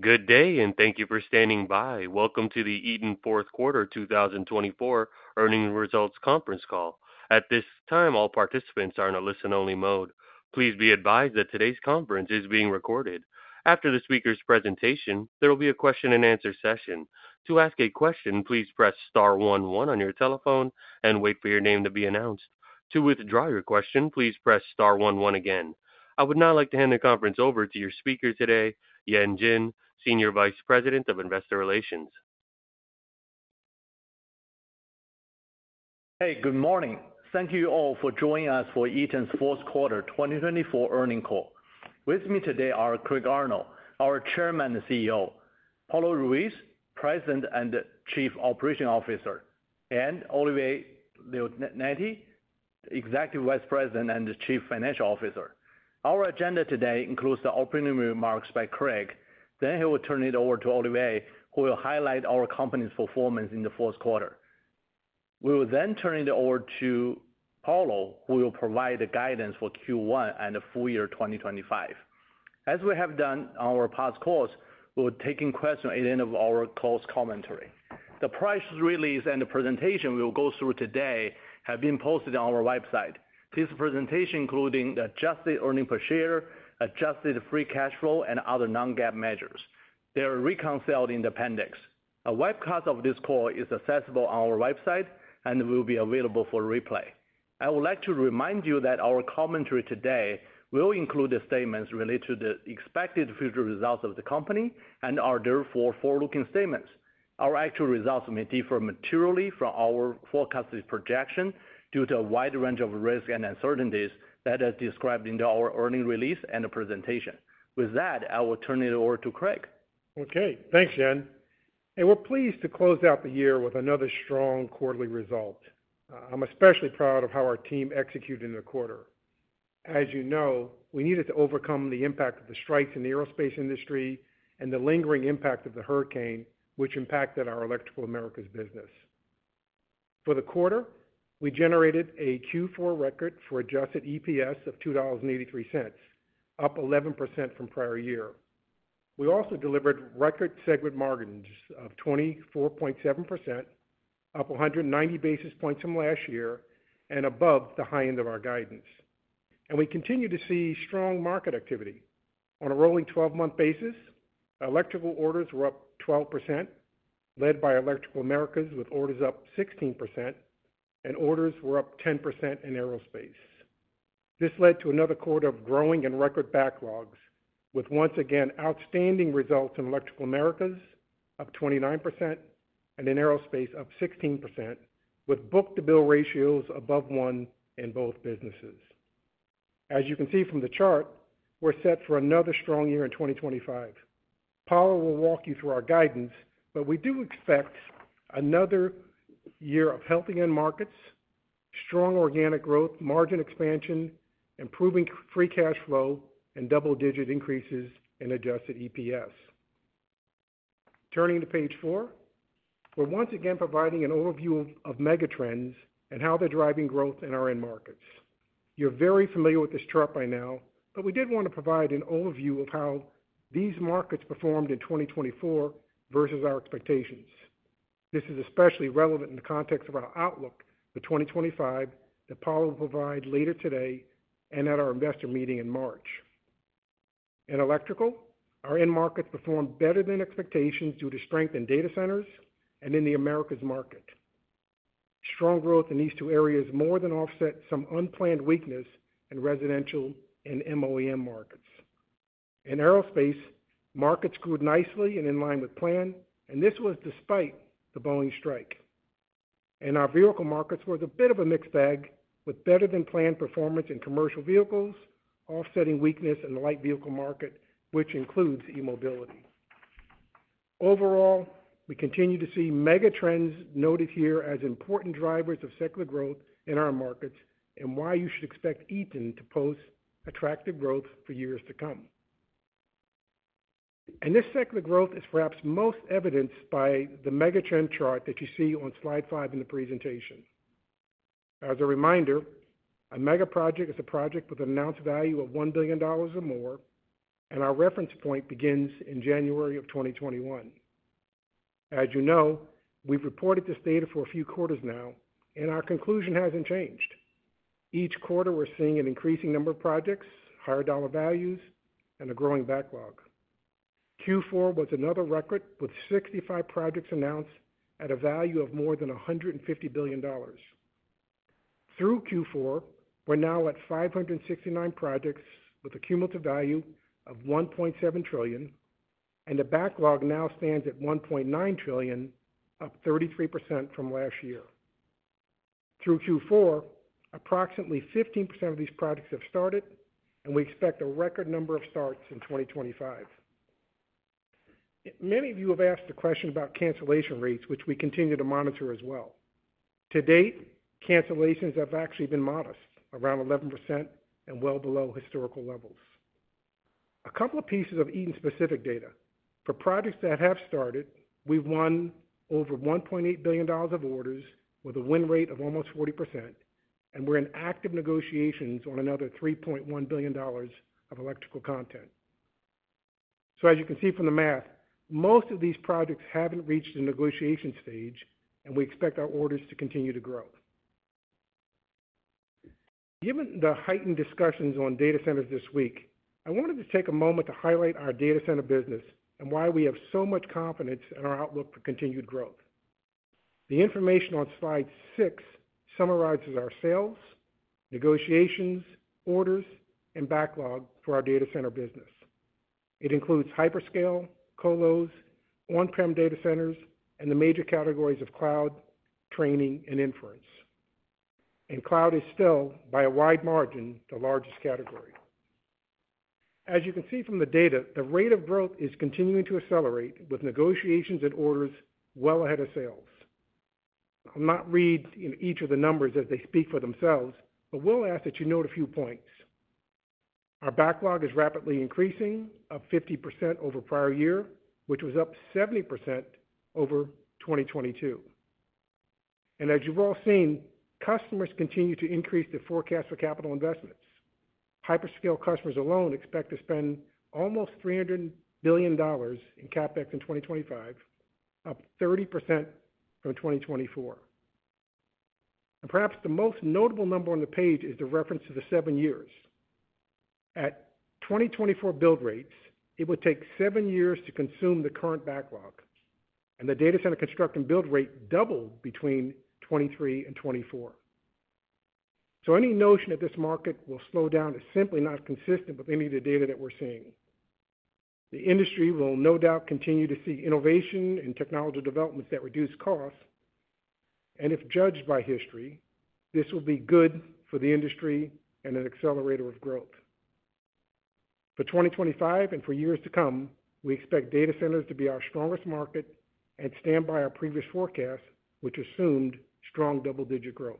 Good day, and thank you for standing by. Welcome to the Eaton Fourth Quarter 2024 Earnings Results Conference Call. At this time, all participants are in a listen-only mode. Please be advised that today's conference is being recorded. After the speaker's presentation, there will be a question-and-answer session. To ask a question, please press star one one on your telephone and wait for your name to be announced. To withdraw your question, please press star one one again. I would now like to hand the conference over to your speaker today, Yan Jin, Senior Vice President of Investor Relations. Hey, good morning. Thank you all for joining us for Eaton's Fourth Quarter 2024 Earnings Call. With me today are Craig Arnold, our Chairman and CEO, Paulo Ruiz, President and Chief Operations Officer, and Olivier Leonetti, Executive Vice President and Chief Financial Officer. Our agenda today includes the opening remarks by Craig. Then he will turn it over to Olivier, who will highlight our company's performance in the fourth quarter. We will then turn it over to Paulo, who will provide the guidance for Q1 and the full year 2025. As we have done on our past calls, we will take questions at the end of our prepared commentary. The press release and the presentation we will go through today have been posted on our website. This presentation includes the adjusted earnings per share, adjusted free cash flow, and other non-GAAP measures. They are reconciled in the appendix. A webcast of this call is accessible on our website and will be available for replay. I would like to remind you that our commentary today will include the statements related to the expected future results of the company and are therefore forward-looking statements. Our actual results may differ materially from our forecasted projection due to a wide range of risks and uncertainties that are described in our earnings release and the presentation. With that, I will turn it over to Craig. Okay, thanks, Yan. And we're pleased to close out the year with another strong quarterly result. I'm especially proud of how our team executed in the quarter. As you know, we needed to overcome the impact of the strikes in the aerospace industry and the lingering impact of the hurricane, which impacted our Electrical Americas business. For the quarter, we generated a Q4 record for adjusted EPS of $2.83, up 11% from prior year. We also delivered record segment margins of 24.7%, up 190 basis points from last year and above the high end of our guidance. And we continue to see strong market activity. On a rolling 12-month basis, Electrical orders were up 12%, led by Electrical Americas with orders up 16%, and orders were up 10% in Aerospace. This led to another quarter of growing and record backlogs, with once again outstanding results in Electrical Americas up 29% and in Aerospace up 16%, with book-to-bill ratios above 1 in both businesses. As you can see from the chart, we're set for another strong year in 2025. Paulo will walk you through our guidance, but we do expect another year of healthy end markets, strong organic growth, margin expansion, improving free cash flow, and double-digit increases in adjusted EPS. Turning to page four, we're once again providing an overview of megatrends and how they're driving growth in our end markets. You're very familiar with this chart by now, but we did want to provide an overview of how these markets performed in 2024 versus our expectations. This is especially relevant in the context of our outlook for 2025 that Paulo will provide later today and at our investor meeting in March. In electrical, our end markets performed better than expectations due to strength in data centers and in the Americas market. Strong growth in these two areas more than offset some unplanned weakness in residential and MOEM markets. In aerospace, markets grew nicely and in line with plan, and this was despite the Boeing strike. In our vehicle markets, it was a bit of a mixed bag with better-than-planned performance in commercial vehicles, offsetting weakness in the light vehicle market, which includes eMobility. Overall, we continue to see megatrends noted here as important drivers of secular growth in our markets and why you should expect Eaton to post attractive growth for years to come. And this secular growth is perhaps most evidenced by the megatrend chart that you see on slide five in the presentation. As a reminder, a megaproject is a project with an announced value of $1 billion or more, and our reference point begins in January of 2021. As you know, we've reported this data for a few quarters now, and our conclusion hasn't changed. Each quarter, we're seeing an increasing number of projects, higher dollar values, and a growing backlog. Q4 was another record with 65 projects announced at a value of more than $150 billion. Through Q4, we're now at 569 projects with a cumulative value of $1.7 trillion, and the backlog now stands at $1.9 trillion, up 33% from last year. Through Q4, approximately 15% of these projects have started, and we expect a record number of starts in 2025. Many of you have asked the question about cancellation rates, which we continue to monitor as well. To date, cancellations have actually been modest, around 11% and well below historical levels. A couple of pieces of Eaton-specific data. For projects that have started, we've won over $1.8 billion of orders with a win rate of almost 40%, and we're in active negotiations on another $3.1 billion of electrical content, so as you can see from the math, most of these projects haven't reached the negotiation stage, and we expect our orders to continue to grow. Given the heightened discussions on data centers this week, I wanted to take a moment to highlight our data center business and why we have so much confidence in our outlook for continued growth. The information on slide six summarizes our sales, negotiations, orders, and backlog for our data center business. It includes hyperscale, colos, on-prem data centers, and the major categories of cloud, training, and inference. And cloud is still, by a wide margin, the largest category. As you can see from the data, the rate of growth is continuing to accelerate with negotiations and orders well ahead of sales. I'll not read each of the numbers as they speak for themselves, but will ask that you note a few points. Our backlog is rapidly increasing of 50% over prior year, which was up 70% over 2022. And as you've all seen, customers continue to increase their forecast for capital investments. Hyperscale customers alone expect to spend almost $300 billion in CapEx in 2025, up 30% from 2024. And perhaps the most notable number on the page is the reference to the seven years. At 2024 build rates, it would take seven years to consume the current backlog, and the data center construction build rate doubled between 2023 and 2024. So, any notion that this market will slow down is simply not consistent with any of the data that we're seeing. The industry will no doubt continue to see innovation and technology developments that reduce costs. And if judged by history, this will be good for the industry and an accelerator of growth. For 2025 and for years to come, we expect data centers to be our strongest market and stand by our previous forecast, which assumed strong double-digit growth.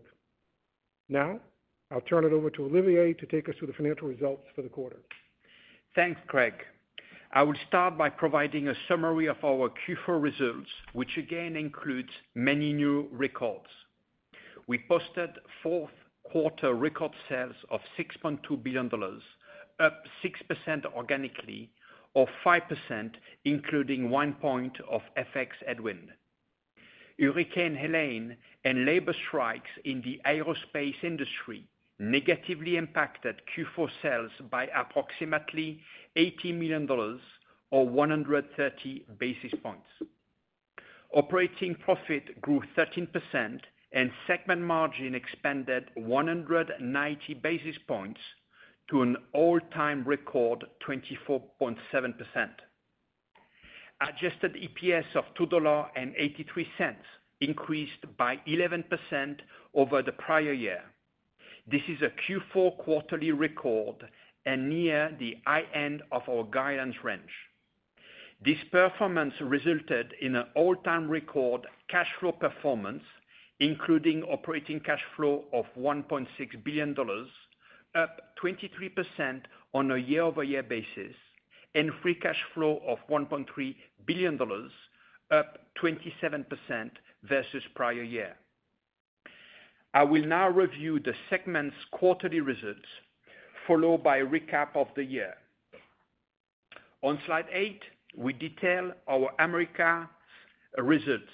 Now, I'll turn it over to Olivier to take us through the financial results for the quarter. Thanks, Craig. I will start by providing a summary of our Q4 results, which again includes many new records. We posted fourth quarter record sales of $6.2 billion, up 6% organically, or 5%, including one point of FX headwind. Hurricane Helene and labor strikes in the aerospace industry negatively impacted Q4 sales by approximately $80 million or 130 basis points. Operating profit grew 13%, and segment margin expanded 190 basis points to an all-time record 24.7%. Adjusted EPS of $2.83 increased by 11% over the prior year. This is a Q4 quarterly record and near the high end of our guidance range. This performance resulted in an all-time record cash flow performance, including operating cash flow of $1.6 billion, up 23% on a year-over-year basis, and free cash flow of $1.3 billion, up 27% versus prior year. I will now review the segment's quarterly results, followed by a recap of the year. On slide eight, we detail our Americas results.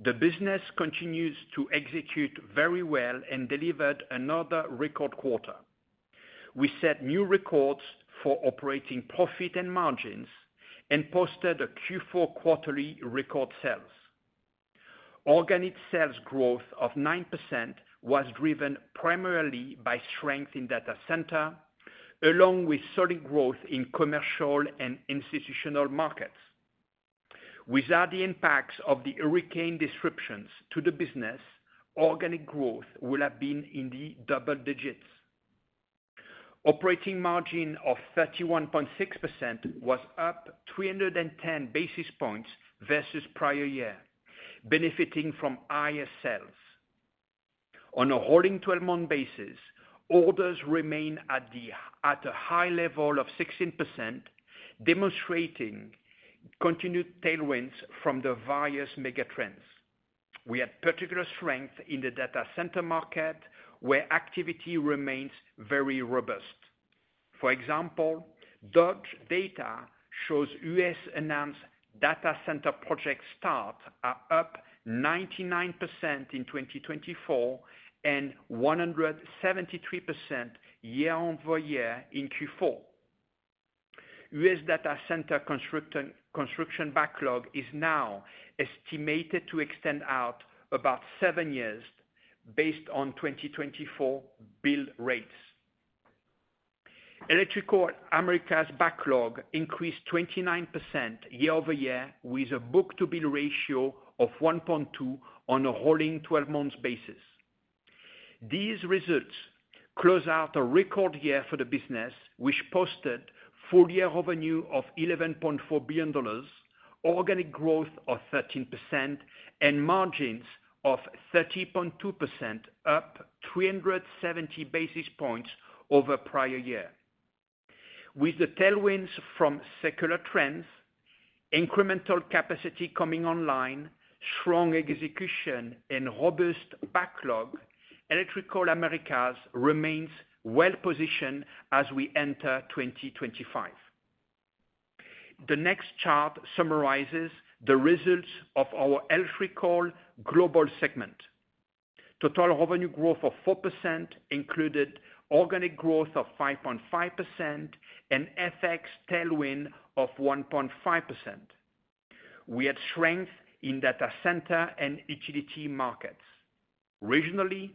The business continues to execute very well and delivered another record quarter. We set new records for operating profit and margins and posted a Q4 quarterly record sales. Organic sales growth of 9% was driven primarily by strength in data center, along with solid growth in commercial and institutional markets. Without the impacts of the hurricane disruptions to the business, organic growth would have been in the double digits. Operating margin of 31.6% was up 310 basis points versus prior year, benefiting from higher sales. On a rolling 12-month basis, orders remain at a high level of 16%, demonstrating continued tailwinds from the various megatrends. We had particular strength in the data center market, where activity remains very robust. For example, Dodge data shows U.S. announced data center project starts are up 99% in 2024 and 173% year-over-year in Q4. U.S. data center construction backlog is now estimated to extend out about seven years based on 2024 build rates. Electrical Americas backlog increased 29% year-over-year with a book-to-bill ratio of 1.2 on a rolling 12-month basis. These results close out a record year for the business, which posted full year revenue of $11.4 billion, organic growth of 13%, and margins of 30.2%, up 370 basis points over prior year. With the tailwinds from secular trends, incremental capacity coming online, strong execution, and robust backlog, Electrical Americas remains well-positioned as we enter 2025. The next chart summarizes the results of our Electrical Global segment. Total revenue growth of 4% included organic growth of 5.5% and FX tailwind of 1.5%. We had strength in data center and utility markets. Regionally,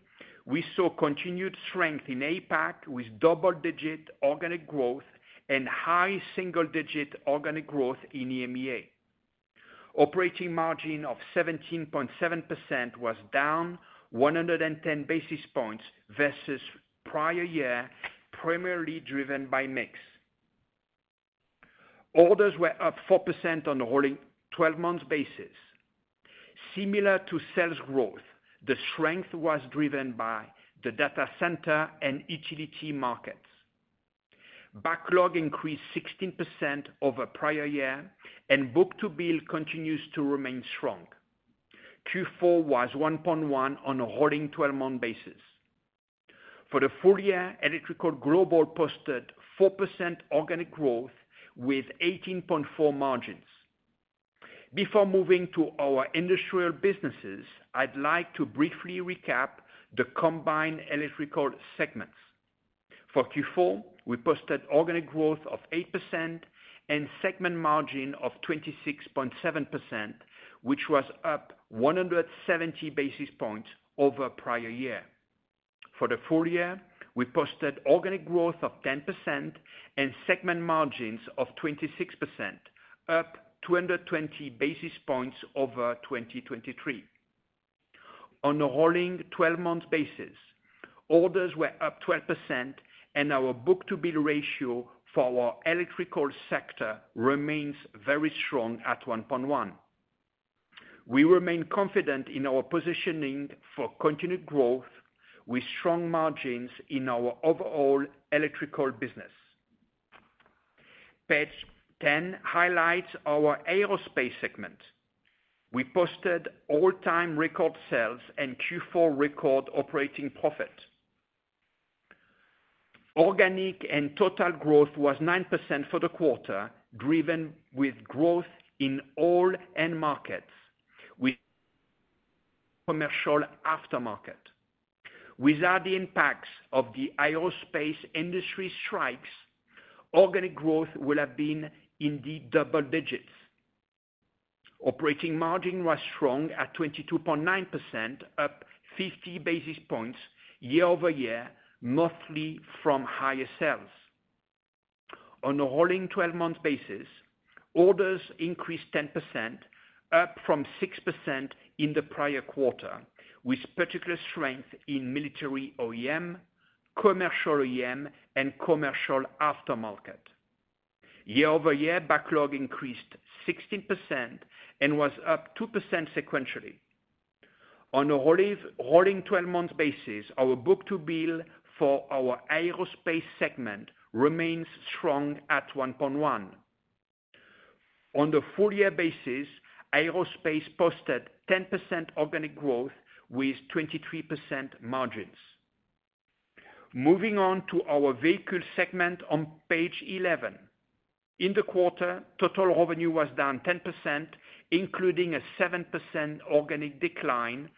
we saw continued strength in APAC with double-digit organic growth and high single-digit organic growth in EMEA. Operating margin of 17.7% was down 110 basis points versus prior year, primarily driven by mix. Orders were up 4% on a rolling 12-month basis. Similar to sales growth, the strength was driven by the data center and utility markets. Backlog increased 16% over prior year, and book-to-bill continues to remain strong. Q4 was 1.1 on a rolling 12-month basis. For the full year, Electrical Global posted 4% organic growth with 18.4% margins. Before moving to our industrial businesses, I'd like to briefly recap the combined electrical segments. For Q4, we posted organic growth of 8% and segment margin of 26.7%, which was up 170 basis points over prior year. For the full year, we posted organic growth of 10% and segment margins of 26%, up 220 basis points over 2023. On a rolling 12-month basis, orders were up 12%, and our book-to-bill ratio for our Electrical Sector remains very strong at 1.1. We remain confident in our positioning for continued growth with strong margins in our overall electrical business. Page 10 highlights our Aerospace segment. We posted all-time record sales and Q4 record operating profit. Organic and total growth was 9% for the quarter, driven with growth in all end markets with commercial aftermarket. Without the impacts of the aerospace industry strikes, organic growth would have been in the double digits. Operating margin was strong at 22.9%, up 50 basis points year-over-year, mostly from higher sales. On a rolling 12-month basis, orders increased 10%, up from 6% in the prior quarter, with particular strength in military OEM, commercial OEM, and commercial aftermarket. Year-over-year backlog increased 16% and was up 2% sequentially. On a rolling 12-month basis, our book-to-bill for our Aerospace segment remains strong at 1.1. On a full-year basis, aerospace posted 10% organic growth with 23% margins. Moving on to our Vehicle segment on page 11. In the quarter, total revenue was down 10%, including a 7% organic decline,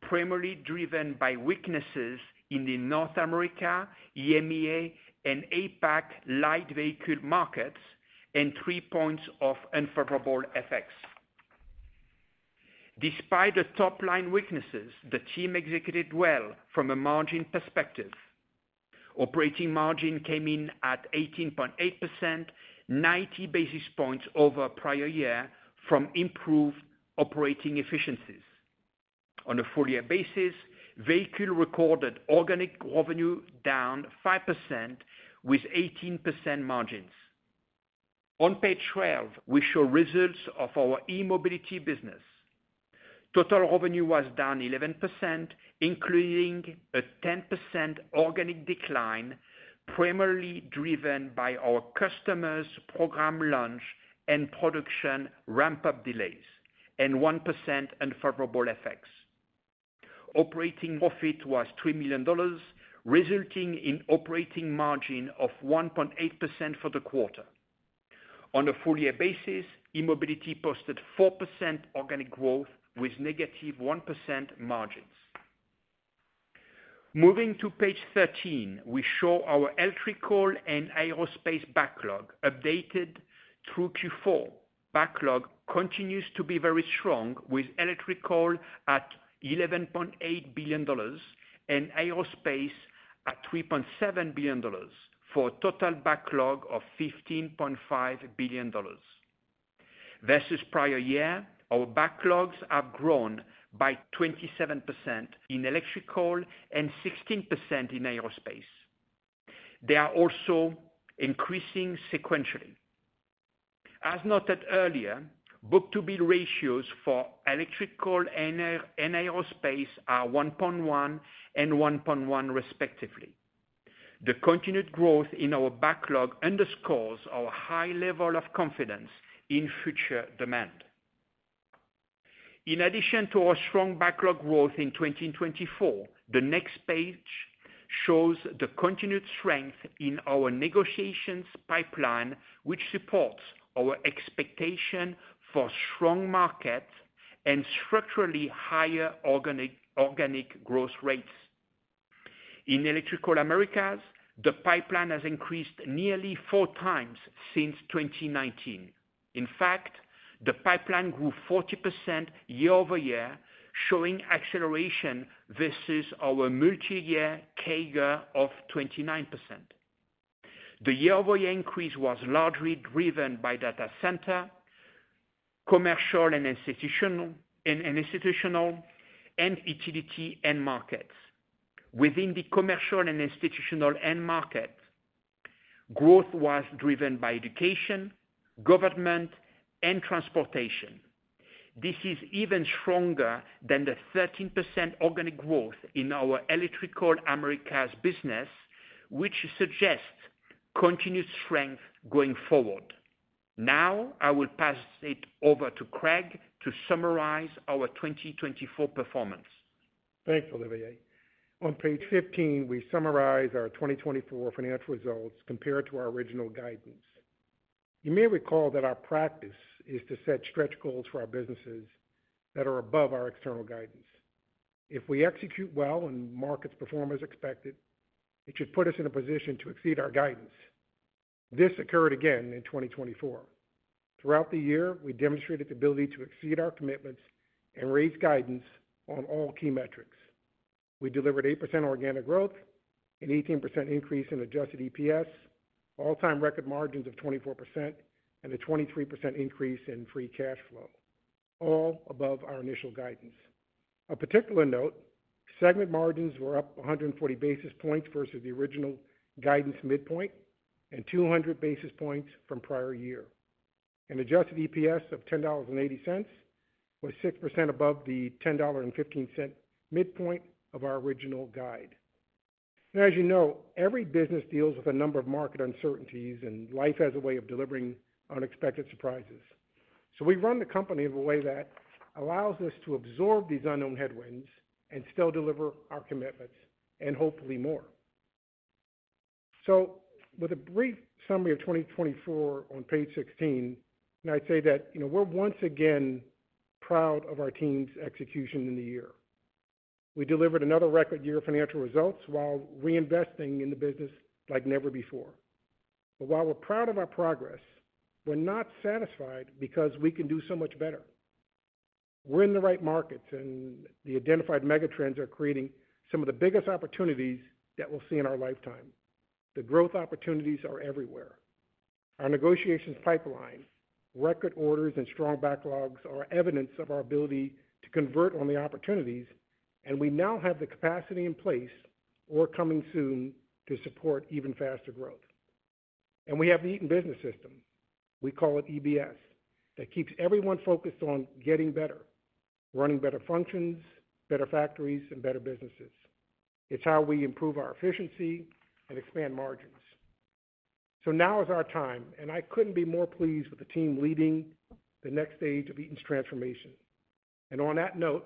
primarily driven by weaknesses in the North America, EMEA, and APAC light vehicle markets, and three points of unfavorable FX. Despite the top-line weaknesses, the team executed well from a margin perspective. Operating margin came in at 18.8%, 90 basis points over prior year, from improved operating efficiencies. On a full-year basis, vehicle recorded organic revenue down 5% with 18% margins. On page 12, we show results of our eMobility business. Total revenue was down 11%, including a 10% organic decline, primarily driven by our customers' program launch and production ramp-up delays, and 1% unfavorable FX. Operating profit was $3 million, resulting in operating margin of 1.8% for the quarter. On a full-year basis, eMobility posted 4% organic growth with negative 1% margins. Moving to page 13, we show our Electrical and Aerospace backlog updated through Q4. Backlog continues to be very strong with electrical at $11.8 billion and aerospace at $3.7 billion, for a total backlog of $15.5 billion. Versus prior year, our backlogs have grown by 27% in electrical and 16% in aerospace. They are also increasing sequentially. As noted earlier, book-to-bill ratios for Electrical and Aerospace are 1.1 and 1.1 respectively. The continued growth in our backlog underscores our high level of confidence in future demand. In addition to our strong backlog growth in 2024, the next page shows the continued strength in our negotiations pipeline, which supports our expectation for strong markets and structurally higher organic growth rates. In Electrical Americas, the pipeline has increased nearly four times since 2019. In fact, the pipeline grew 40% year-over-year, showing acceleration versus our multi-year CAGR of 29%. The year-over-year increase was largely driven by data center, commercial and institutional, and utility end markets. Within the commercial and institutional end markets, growth was driven by education, government, and transportation. This is even stronger than the 13% organic growth in our Electrical Americas business, which suggests continued strength going forward. Now, I will pass it over to Craig to summarize our 2024 performance. Thanks, Olivier. On page 15, we summarize our 2024 financial results compared to our original guidance. You may recall that our practice is to set stretch goals for our businesses that are above our external guidance. If we execute well and markets perform as expected, it should put us in a position to exceed our guidance. This occurred again in 2024. Throughout the year, we demonstrated the ability to exceed our commitments and raise guidance on all key metrics. We delivered 8% organic growth, an 18% increase in adjusted EPS, all-time record margins of 24%, and a 23% increase in free cash flow, all above our initial guidance. A particular note: segment margins were up 140 basis points versus the original guidance midpoint and 200 basis points from prior year. An adjusted EPS of $10.80 was 6% above the $10.15 midpoint of our original guide. Now, as you know, every business deals with a number of market uncertainties, and life has a way of delivering unexpected surprises. So we run the company in a way that allows us to absorb these unknown headwinds and still deliver our commitments and hopefully more. So, with a brief summary of 2024 on page 16, I'd say that we're once again proud of our team's execution in the year. We delivered another record year of financial results while reinvesting in the business like never before. But while we're proud of our progress, we're not satisfied because we can do so much better. We're in the right markets, and the identified megatrends are creating some of the biggest opportunities that we'll see in our lifetime. The growth opportunities are everywhere. Our negotiations pipeline, record orders, and strong backlogs are evidence of our ability to convert on the opportunities, and we now have the capacity in place, or coming soon, to support even faster growth. And we have the Eaton Business System. We call it EBS, that keeps everyone focused on getting better, running better functions, better factories, and better businesses. It's how we improve our efficiency and expand margins. So now is our time, and I couldn't be more pleased with the team leading the next stage of Eaton's transformation. And on that note,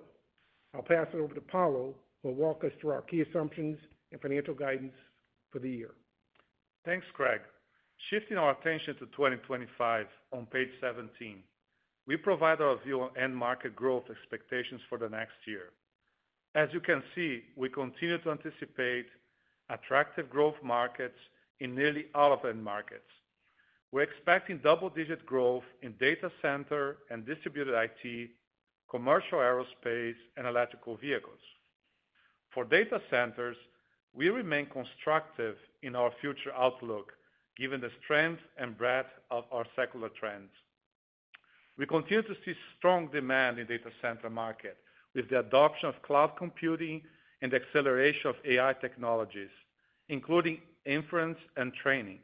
I'll pass it over to Paulo, who will walk us through our key assumptions and financial guidance for the year. Thanks, Craig. Shifting our attention to 2025, on page 17, we provide our view on end market growth expectations for the next year. As you can see, we continue to anticipate attractive growth markets in nearly all of end markets. We're expecting double-digit growth in data center and distributed IT, commercial aerospace, and electric vehicles. For data centers, we remain constructive in our future outlook, given the strength and breadth of our secular trends. We continue to see strong demand in the data center market with the adoption of cloud computing and the acceleration of AI technologies, including inference and training.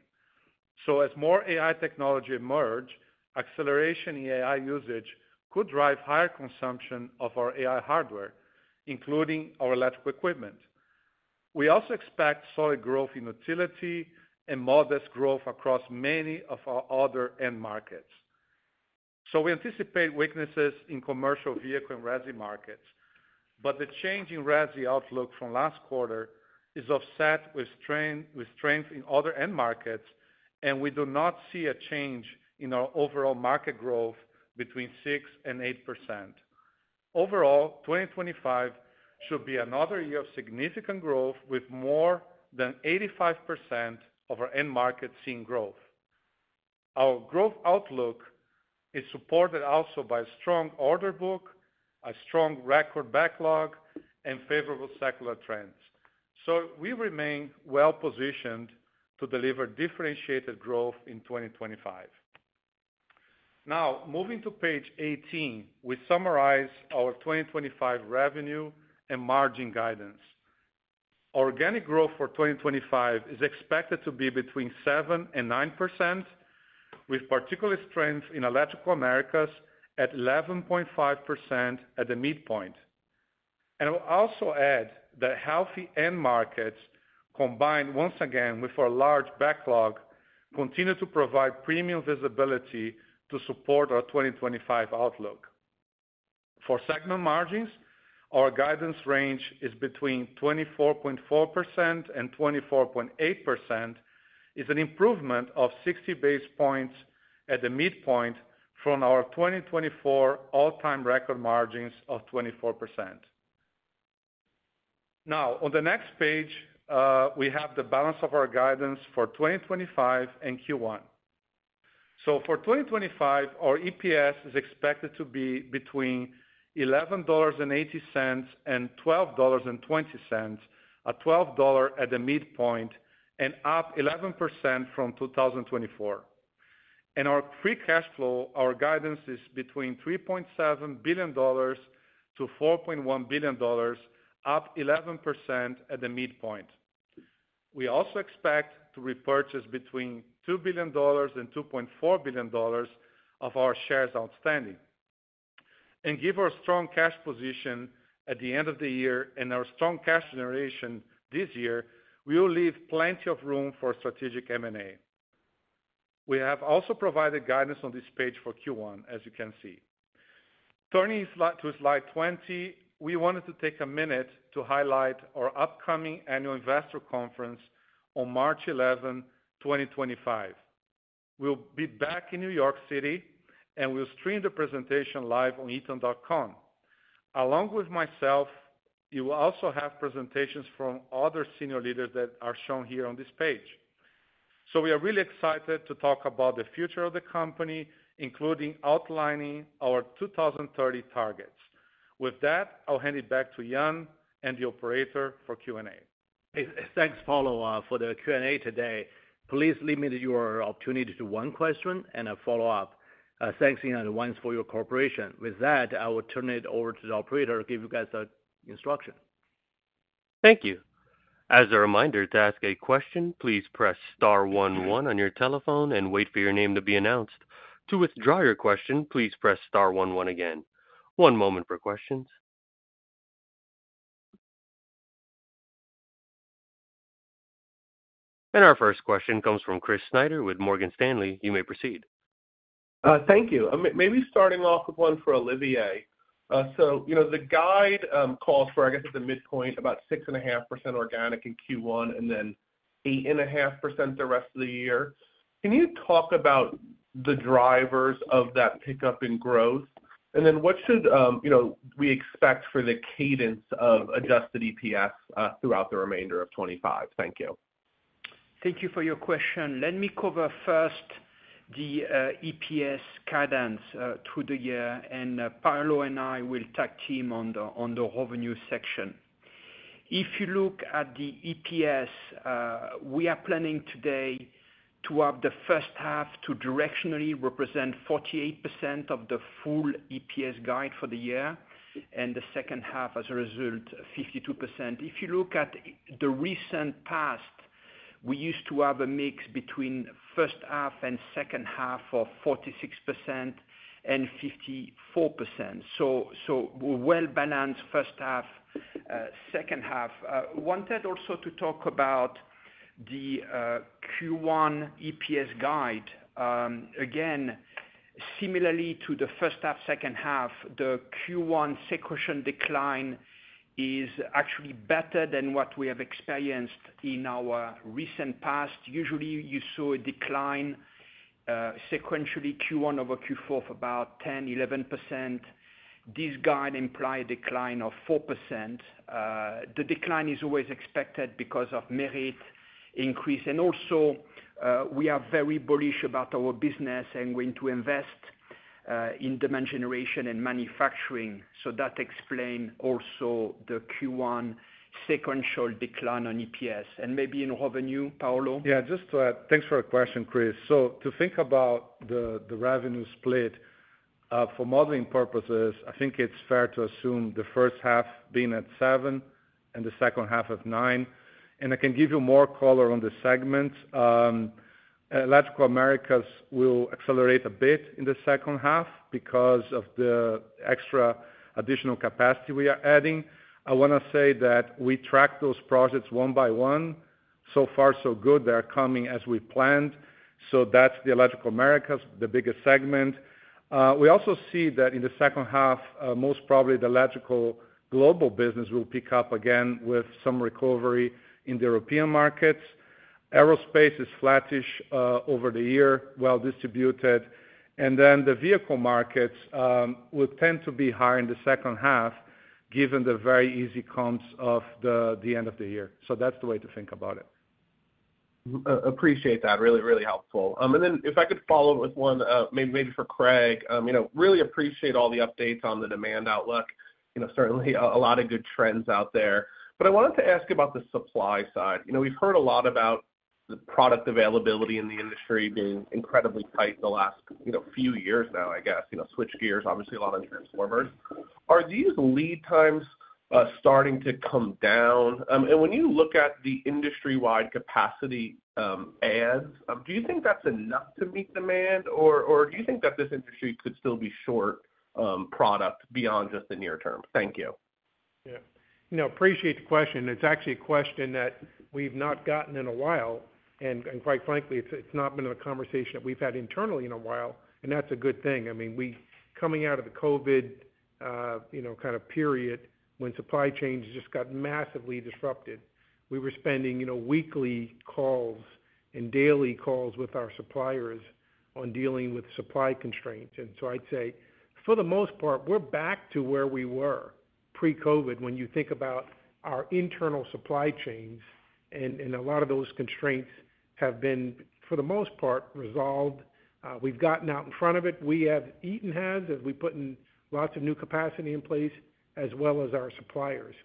So, as more AI technology emerges, acceleration in AI usage could drive higher consumption of our AI hardware, including our electrical equipment. We also expect solid growth in utility and modest growth across many of our other end markets. So we anticipate weaknesses in commercial vehicle and resi markets, but the change in resi outlook from last quarter is offset with strength in other end markets, and we do not see a change in our overall market growth between 6% and 8%. Overall, 2025 should be another year of significant growth, with more than 85% of our end markets seeing growth. Our growth outlook is supported also by a strong order book, a strong record backlog, and favorable secular trends. So we remain well-positioned to deliver differentiated growth in 2025. Now, moving to page 18, we summarize our 2025 revenue and margin guidance. Organic growth for 2025 is expected to be between 7% and 9%, with particular strength in Electrical Americas at 11.5% at the midpoint. I'll also add that healthy end markets, combined once again with our large backlog, continue to provide premium visibility to support our 2025 outlook. For segment margins, our guidance range is between 24.4% and 24.8%, an improvement of 60 basis points at the midpoint from our 2024 all-time record margins of 24%. Now, on the next page, we have the balance of our guidance for 2025 and Q1. So for 2025, our EPS is expected to be between $11.80 and $12.20, a $12 at the midpoint, and up 11% from 2024. And our free cash flow, our guidance, is between $3.7 billion to $4.1 billion, up 11% at the midpoint. We also expect to repurchase between $2 billion and $2.4 billion of our shares outstanding. And given our strong cash position at the end of the year and our strong cash generation this year, we will leave plenty of room for strategic M&A. We have also provided guidance on this page for Q1, as you can see. Turning to slide 20, we wanted to take a minute to highlight our upcoming annual investor conference on March 11, 2025. We'll be back in New York City, and we'll stream the presentation live on Eaton.com. Along with myself, you will also have presentations from other senior leaders that are shown here on this page. So we are really excited to talk about the future of the company, including outlining our 2030 targets. With that, I'll hand it back to Yan and the operator for Q&A. Thanks, Paulo, for the Q&A today. Please limit your opportunity to one question and a follow-up. Thanks, Yan, and once for your cooperation. With that, I will turn it over to the operator to give you guys an instruction. Thank you. As a reminder, to ask a question, please press star one one on your telephone and wait for your name to be announced. To withdraw your question, please press star one one again. One moment for questions, and our first question comes from Chris Snyder with Morgan Stanley. You may proceed. Thank you. Maybe starting off with one for Olivier. So the guide calls for, I guess, at the midpoint, about 6.5% organic in Q1 and then 8.5% the rest of the year. Can you talk about the drivers of that pickup in growth? And then what should we expect for the cadence of adjusted EPS throughout the remainder of 2025? Thank you. Thank you for your question. Let me cover first the EPS guidance through the year, and Paulo and I will tag team on the revenue section. If you look at the EPS, we are planning today to have the first half to directionally represent 48% of the full EPS guide for the year and the second half as a result, 52%. If you look at the recent past, we used to have a mix between first half and second half of 46% and 54%. So well-balanced first half, second half. Wanted also to talk about the Q1 EPS guide. Again, similarly to the first half, second half, the Q1 sequential decline is actually better than what we have experienced in our recent past. Usually, you saw a decline sequentially Q1 over Q4 of about 10%, 11%. This guide implies a decline of 4%. The decline is always expected because of merit increase. And also, we are very bullish about our business and going to invest in demand generation and manufacturing. So that explains also the Q1 sequential decline on EPS. And maybe in revenue, Paulo? Yeah, just thanks for the question, Chris. So to think about the revenue split, for modeling purposes, I think it's fair to assume the first half being at 7% and the second half at 9%. I can give you more color on the segments. Electrical Americas will accelerate a bit in the second half because of the extra additional capacity we are adding. I want to say that we track those projects one by one. So far, so good. They're coming as we planned. That's the Electrical Americas, the biggest segment. We also see that in the second half, most probably the Electrical Global business will pick up again with some recovery in the European markets. Aerospace is flattish over the year, well-distributed. The vehicle markets will tend to be higher in the second half, given the very easy comps of the end of the year. So that's the way to think about it. Appreciate that. Really, really helpful. And then if I could follow up with one, maybe for Craig. Really appreciate all the updates on the demand outlook. Certainly, a lot of good trends out there. But I wanted to ask about the supply side. We've heard a lot about the product availability in the industry being incredibly tight in the last few years now, I guess. Switch gears, obviously, a lot of transformers. Are these lead times starting to come down? And when you look at the industry-wide capacity adds, do you think that's enough to meet demand, or do you think that this industry could still be short product beyond just the near term? Thank you. Yeah. No, appreciate the question. It's actually a question that we've not gotten in a while, and quite frankly, it's not been a conversation that we've had internally in a while. That's a good thing. I mean, coming out of the COVID kind of period when supply chains just got massively disrupted, we were spending weekly calls and daily calls with our suppliers on dealing with supply constraints. So I'd say, for the most part, we're back to where we were pre-COVID when you think about our internal supply chains, and a lot of those constraints have been, for the most part, resolved. We've gotten out in front of it. We have. Eaton has, as we put in lots of new capacity in place, as well as our suppliers.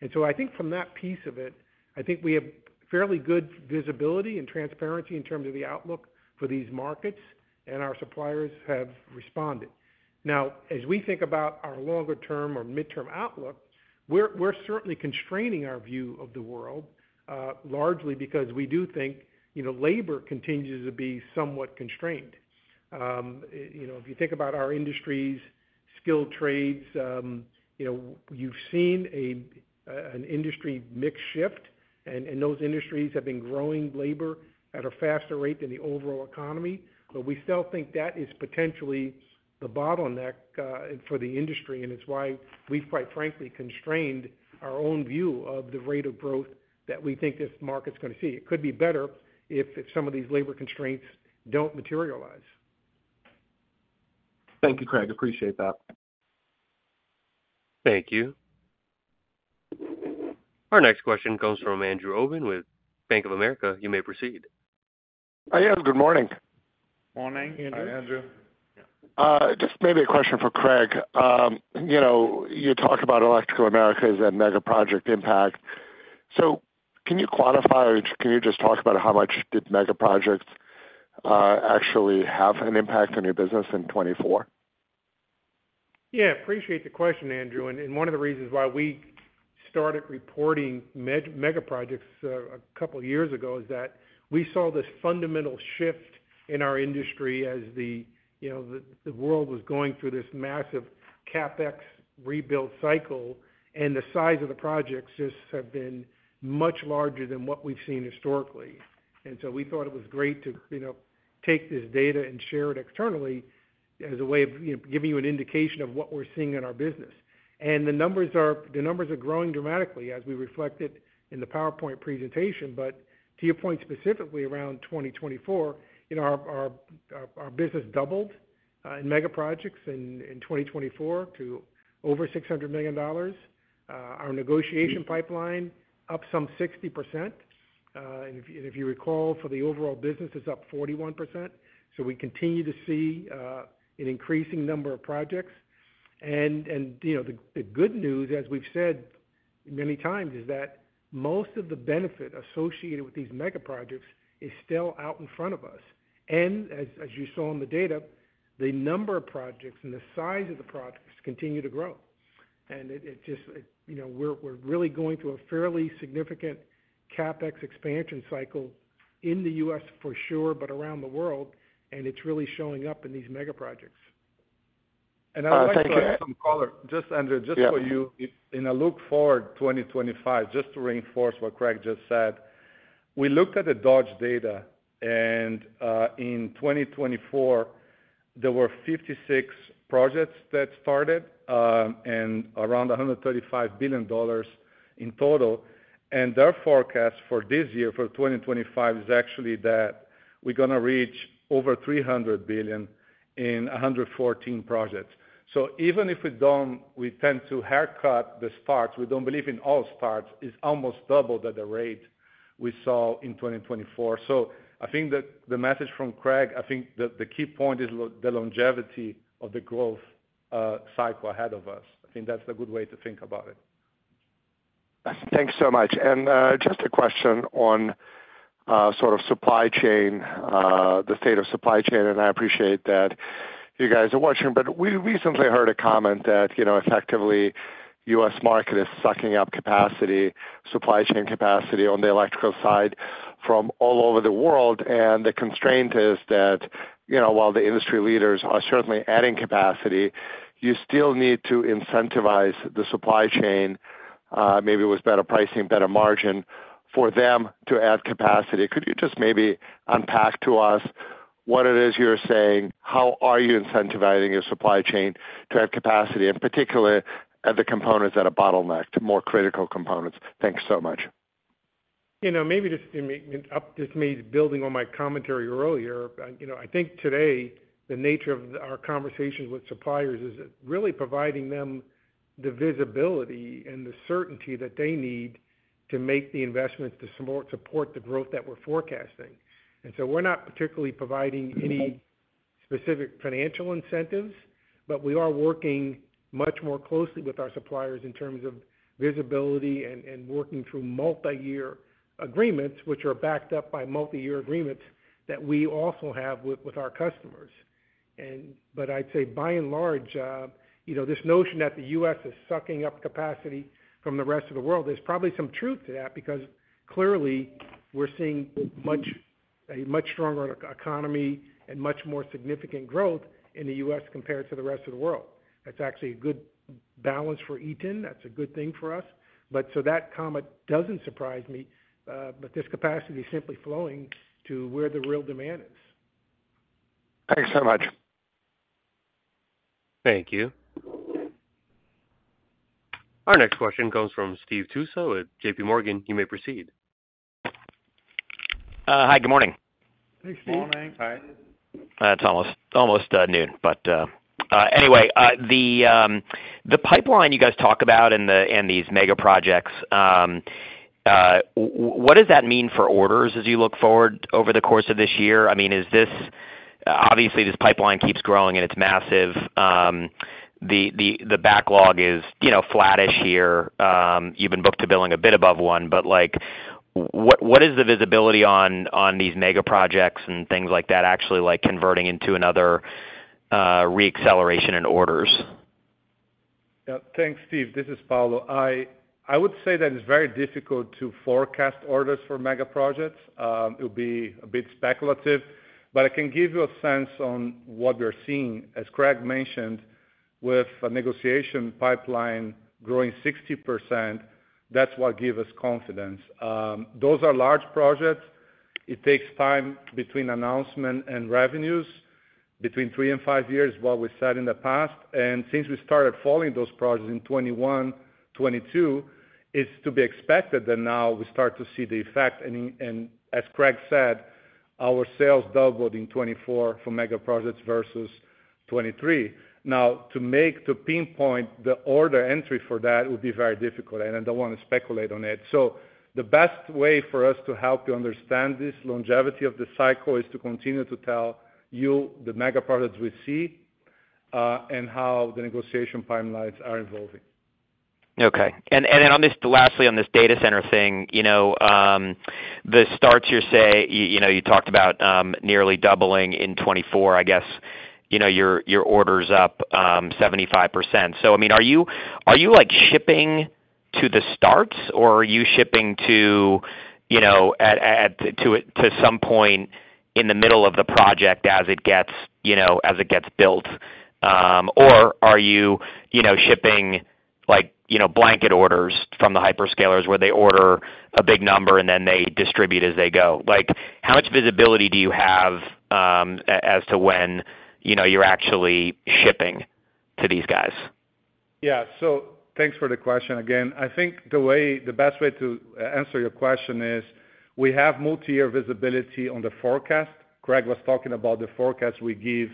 And so I think from that piece of it, I think we have fairly good visibility and transparency in terms of the outlook for these markets, and our suppliers have responded. Now, as we think about our longer-term or midterm outlook, we're certainly constraining our view of the world, largely because we do think labor continues to be somewhat constrained. If you think about our industries, skilled trades, you've seen an industry mix shift, and those industries have been growing labor at a faster rate than the overall economy. But we still think that is potentially the bottleneck for the industry, and it's why we've quite frankly constrained our own view of the rate of growth that we think this market's going to see. It could be better if some of these labor constraints don't materialize. Thank you, Craig. Appreciate that. Thank you. Our next question comes from Andrew Obin with Bank of America. You may proceed. Hi, Andrew. Good morning. Morning, Andrew. Hi, Andrew. Just maybe a question for Craig. You talked about Electrical Americas as that megaproject impact. So can you quantify, or can you just talk about how much did megaprojects actually have an impact on your business in 2024? Yeah, appreciate the question, Andrew. And one of the reasons why we started reporting megaprojects a couple of years ago is that we saw this fundamental shift in our industry as the world was going through this massive CapEx rebuild cycle, and the size of the projects just have been much larger than what we've seen historically. And so we thought it was great to take this data and share it externally as a way of giving you an indication of what we're seeing in our business. And the numbers are growing dramatically as reflected in the PowerPoint presentation. But to your point, specifically around 2024, our business doubled in megaprojects in 2024 to over $600 million. Our negotiation pipeline up some 60%. And if you recall, for the overall business, it's up 41%. So we continue to see an increasing number of projects. And the good news, as we've said many times, is that most of the benefit associated with these megaprojects is still out in front of us. And as you saw in the data, the number of projects and the size of the projects continue to grow. And we're really going through a fairly significant CapEx expansion cycle in the U.S. for sure, but around the world, and it's really showing up in these megaprojects. And I would like to. I'll take some color. Just, Andrew, just for you, in a look forward to 2025, just to reinforce what Craig just said, we looked at the Dodge data, and in 2024, there were 56 projects that started and around $135 billion in total. And their forecast for this year, for 2025, is actually that we're going to reach over $300 billion in 114 projects. So even if we tend to haircut the starts, we don't believe in all starts, it's almost double the rate we saw in 2024. So I think that the message from Craig, I think the key point is the longevity of the growth cycle ahead of us. I think that's a good way to think about it. Thanks so much, and just a question on sort of supply chain, the state of supply chain, and I appreciate that you guys are watching, but we recently heard a comment that effectively the U.S. market is sucking up capacity, supply chain capacity on the electrical side from all over the world, and the constraint is that while the industry leaders are certainly adding capacity, you still need to incentivize the supply chain, maybe with better pricing, better margin for them to add capacity. Could you just maybe unpack to us what it is you're saying? How are you incentivizing your supply chain to add capacity, and particularly at the components that are bottlenecked, more critical components? Thanks so much. Maybe just to make this, maybe building on my commentary earlier, I think today the nature of our conversations with suppliers is really providing them the visibility and the certainty that they need to make the investments to support the growth that we're forecasting. and so we're not particularly providing any specific financial incentives, but we are working much more closely with our suppliers in terms of visibility and working through multi-year agreements, which are backed up by multi-year agreements that we also have with our customers. but I'd say, by and large, this notion that the U.S. is sucking up capacity from the rest of the world, there's probably some truth to that because clearly we're seeing a much stronger economy and much more significant growth in the U.S. compared to the rest of the world. That's actually a good balance for Eaton. That's a good thing for us, but so that comment doesn't surprise me, but this capacity is simply flowing to where the real demand is. Thanks so much. Thank you. Our next question comes from Stephen Tusa at JPMorgan. You may proceed. Hi, good morning. Hey, Steve. Good morning. Hi. It's almost noon, but anyway, the pipeline you guys talk about and these megaprojects, what does that mean for orders as you look forward over the course of this year? I mean, obviously, this pipeline keeps growing and it's massive. The backlog is flattish here. You've been book-to-bill a bit above one, but what is the visibility on these megaprojects and things like that actually converting into another re-acceleration in orders? Yeah. Thanks, Steve. This is Paulo. I would say that it's very difficult to forecast orders for megaprojects. It would be a bit speculative, but I can give you a sense on what we're seeing. As Craig mentioned, with a negotiation pipeline growing 60%, that's what gives us confidence. Those are large projects. It takes time between announcement and revenues, between three and five years, what we said in the past. And since we started following those projects in 2021, 2022, it's to be expected that now we start to see the effect. And as Craig said, our sales doubled in 2024 for megaprojects versus 2023. Now, to pinpoint the order entry for that would be very difficult, and I don't want to speculate on it. The best way for us to help you understand this longevity of the cycle is to continue to tell you the megaprojects we see and how the negotiation pipelines are evolving. Okay. And then lastly, on this data center thing, the starts you're saying you talked about nearly doubling in 2024, I guess your orders up 75%. So I mean, are you shipping to the starts, or are you shipping to some point in the middle of the project as it gets built? Or are you shipping blanket orders from the hyperscalers where they order a big number and then they distribute as they go? How much visibility do you have as to when you're actually shipping to these guys? Yeah, so thanks for the question again. I think the best way to answer your question is we have multi-year visibility on the forecast. Craig was talking about the forecast we give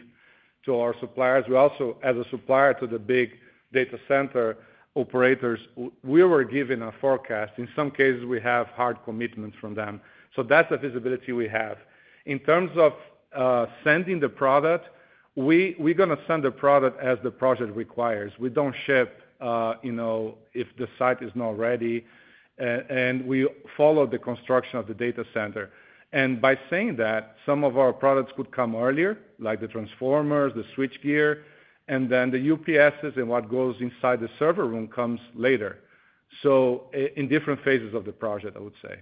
to our suppliers. We also, as a supplier to the big data center operators, we were given a forecast. In some cases, we have hard commitments from them. So that's the visibility we have. In terms of sending the product, we're going to send the product as the project requires. We don't ship if the site is not ready, and we follow the construction of the data center, and by saying that, some of our products could come earlier, like the transformers, the switchgear, and then the UPSs and what goes inside the server room comes later, so in different phases of the project, I would say.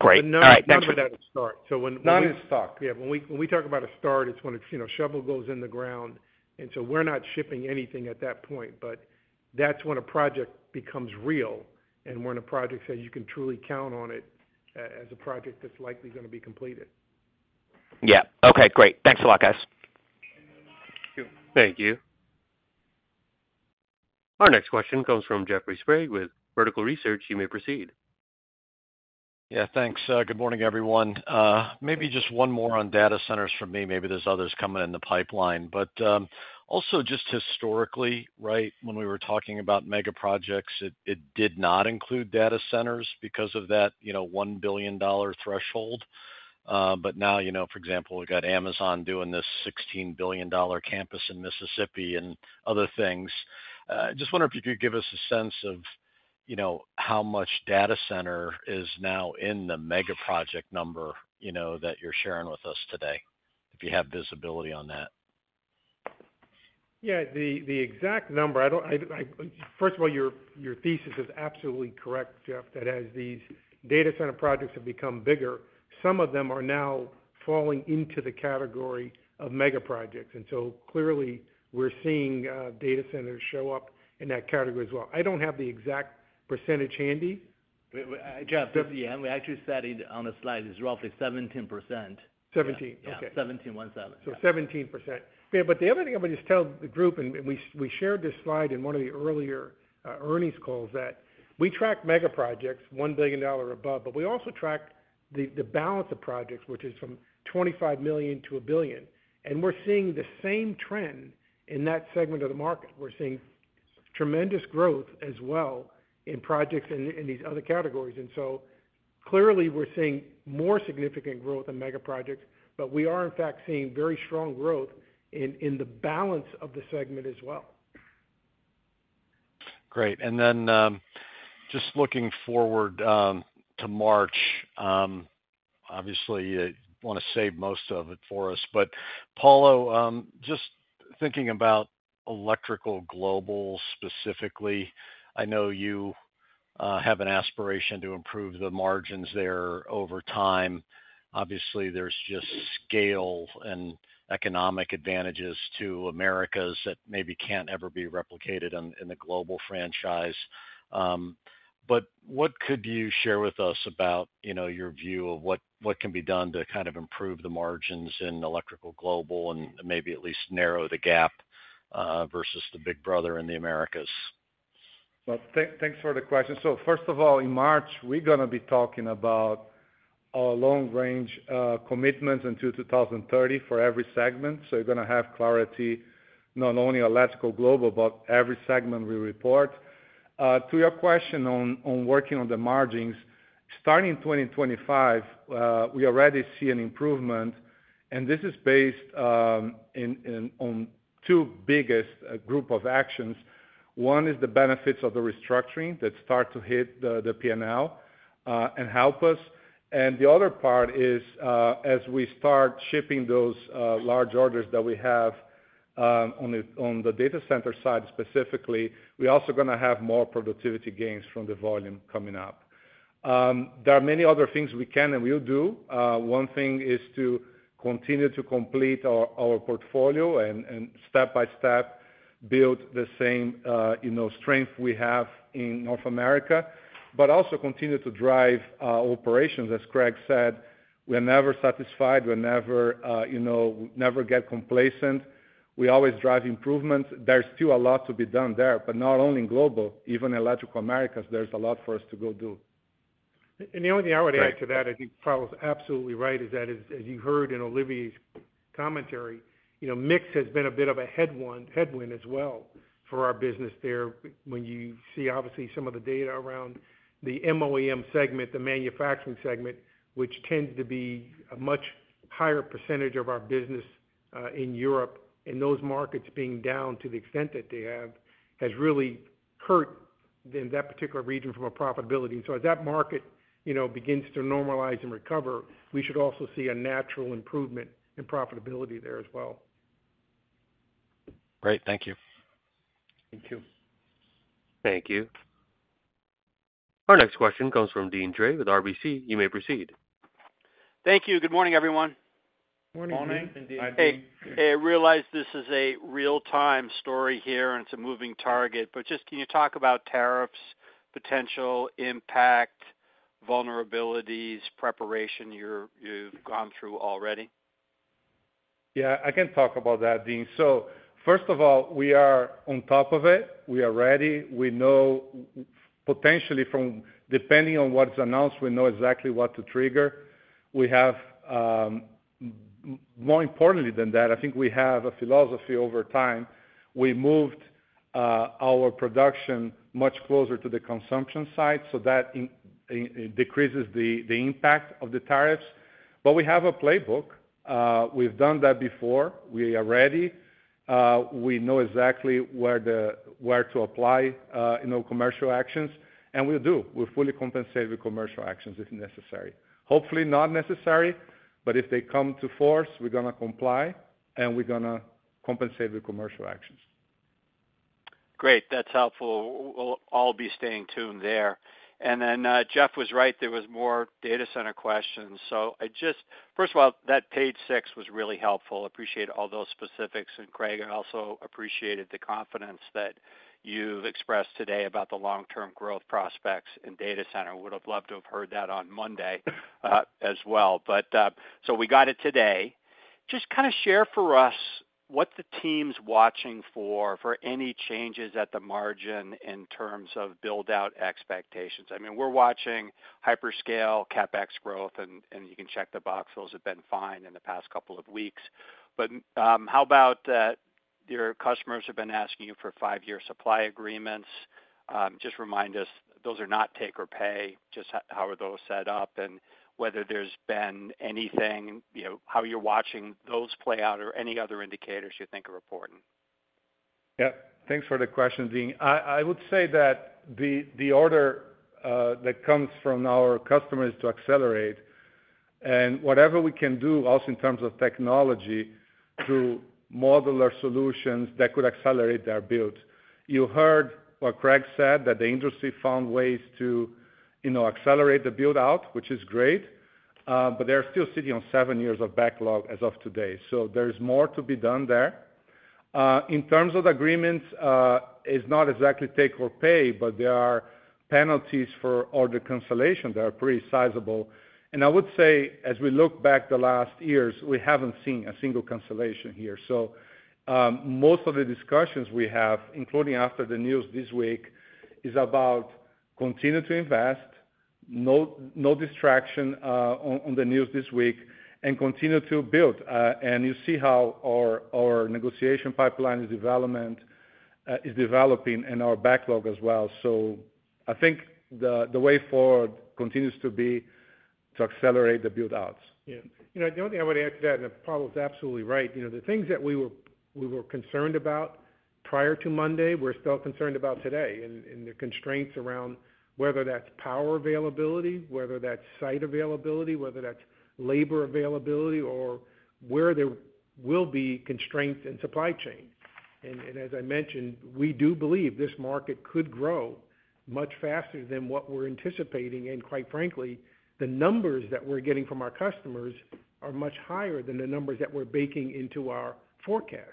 Great. All right. Thanks. But not without a start. So when. Not in stock. Yeah. When we talk about a start, it's when a shovel goes in the ground. And so we're not shipping anything at that point, but that's when a project becomes real and when a project says you can truly count on it as a project that's likely going to be completed. Yeah. Okay. Great. Thanks a lot, guys. Thank you. Our next question comes from Jeffrey Sprague with Vertical Research. You may proceed. Yeah. Thanks. Good morning, everyone. Maybe just one more on data centers for me. Maybe there's others coming in the pipeline. But also just historically, right, when we were talking about megaprojects, it did not include data centers because of that $1 billion threshold. But now, for example, we've got Amazon doing this $16 billion campus in Mississippi and other things. Just wonder if you could give us a sense of how much data center is now in the megaproject number that you're sharing with us today, if you have visibility on that. Yeah. The exact number, first of all, your thesis is absolutely correct, Jeff, that as these data center projects have become bigger, some of them are now falling into the category of megaprojects. And so clearly, we're seeing data centers show up in that category as well. I don't have the exact percentage handy. Jeff, at the end, we actually said on the slide it's roughly 17%. 17. Okay. 17. One seven So, 17%. But the other thing I want to just tell the group, and we shared this slide in one of the earlier earnings calls, that we track megaprojects $1 billion and above, but we also track the balance of projects, which is from $25 million to $1 billion. And we're seeing the same trend in that segment of the market. We're seeing tremendous growth as well in projects in these other categories. And so clearly, we're seeing more significant growth in megaprojects, but we are, in fact, seeing very strong growth in the balance of the segment as well. Great. And then just looking forward to March, obviously, you want to save most of it for us. But Paulo, just thinking about Electrical Global specifically, I know you have an aspiration to improve the margins there over time. Obviously, there's just scale and economic advantages to Americas that maybe can't ever be replicated in the global franchise. But what could you share with us about your view of what can be done to kind of improve the margins in Electrical Global and maybe at least narrow the gap versus the big brother in the Americas? Thanks for the question. First of all, in March, we're going to be talking about our long-range commitments until 2030 for every segment. We're going to have clarity not only on Electrical Global, but every segment we report. To your question on working on the margins, starting 2025, we already see an improvement. This is based on two biggest groups of actions. One is the benefits of the restructuring that start to hit the P&L and help us. The other part is, as we start shipping those large orders that we have on the data center side specifically, we're also going to have more productivity gains from the volume coming up. There are many other things we can and will do. One thing is to continue to complete our portfolio and step by step build the same strength we have in North America, but also continue to drive operations. As Craig said, we're never satisfied. We never get complacent. We always drive improvements. There's still a lot to be done there, but not only in Global, even Electrical Americas, there's a lot for us to go do. The only thing I would add to that, I think, Paul is absolutely right, is that as you heard in Olivier's commentary, MIX has been a bit of a headwind as well for our business there when you see, obviously, some of the data around the MOEM segment, the manufacturing segment, which tends to be a much higher percentage of our business in Europe. Those markets being down to the extent that they have has really hurt that particular region from a profitability. So as that market begins to normalize and recover, we should also see a natural improvement in profitability there as well. Great. Thank you. Thank you. Thank you. Our next question comes from Dean Dray with RBC. You may proceed. Thank you. Good morning, everyone. Morning. Morning. Hey. Hey. I realize this is a real-time story here, and it's a moving target, but just can you talk about tariffs, potential impact, vulnerabilities, preparation you've gone through already? Yeah. I can talk about that, Dean. So first of all, we are on top of it. We are ready. We know potentially from depending on what's announced, we know exactly what to trigger. We have more importantly than that, I think we have a philosophy over time. We moved our production much closer to the consumption side so that it decreases the impact of the tariffs. But we have a playbook. We've done that before. We are ready. We know exactly where to apply commercial actions. And we'll do. We'll fully compensate with commercial actions if necessary. Hopefully not necessary, but if they come to force, we're going to comply, and we're going to compensate with commercial actions. Great. That's helpful. We'll all be staying tuned there, and then Jeff was right. There were more data center questions, so first of all, that page six was really helpful. Appreciate all those specifics, and Craig also appreciated the confidence that you've expressed today about the long-term growth prospects in data center. Would have loved to have heard that on Monday as well, so we got it today. Just kind of share for us what the team's watching for, for any changes at the margin in terms of build-out expectations. I mean, we're watching hyperscale CapEx growth, and you can check the box. Those have been fine in the past couple of weeks, but how about your customers have been asking you for five-year supply agreements? Just remind us those are not take or pay. Just how are those set up and whether there's been anything, how you're watching those play out, or any other indicators you think are important? Yeah. Thanks for the question, Dean. I would say that the order that comes from our customers to accelerate and whatever we can do, also in terms of technology to model our solutions that could accelerate their build. You heard what Craig said, that the industry found ways to accelerate the build-out, which is great, but they're still sitting on seven years of backlog as of today. So there's more to be done there. In terms of agreements, it's not exactly take or pay, but there are penalties for order cancellation that are pretty sizable. And I would say, as we look back the last years, we haven't seen a single cancellation here. So most of the discussions we have, including after the news this week, is about continue to invest, no distraction on the news this week, and continue to build. And you see how our negotiation pipeline is developing and our backlog as well. So I think the way forward continues to be to accelerate the build-outs. Yeah. The only thing I would add to that, and Paulo was absolutely right, the things that we were concerned about prior to Monday, we're still concerned about today in the constraints around whether that's power availability, whether that's site availability, whether that's labor availability, or where there will be constraints in supply chain. And as I mentioned, we do believe this market could grow much faster than what we're anticipating. And quite frankly, the numbers that we're getting from our customers are much higher than the numbers that we're baking into our forecast.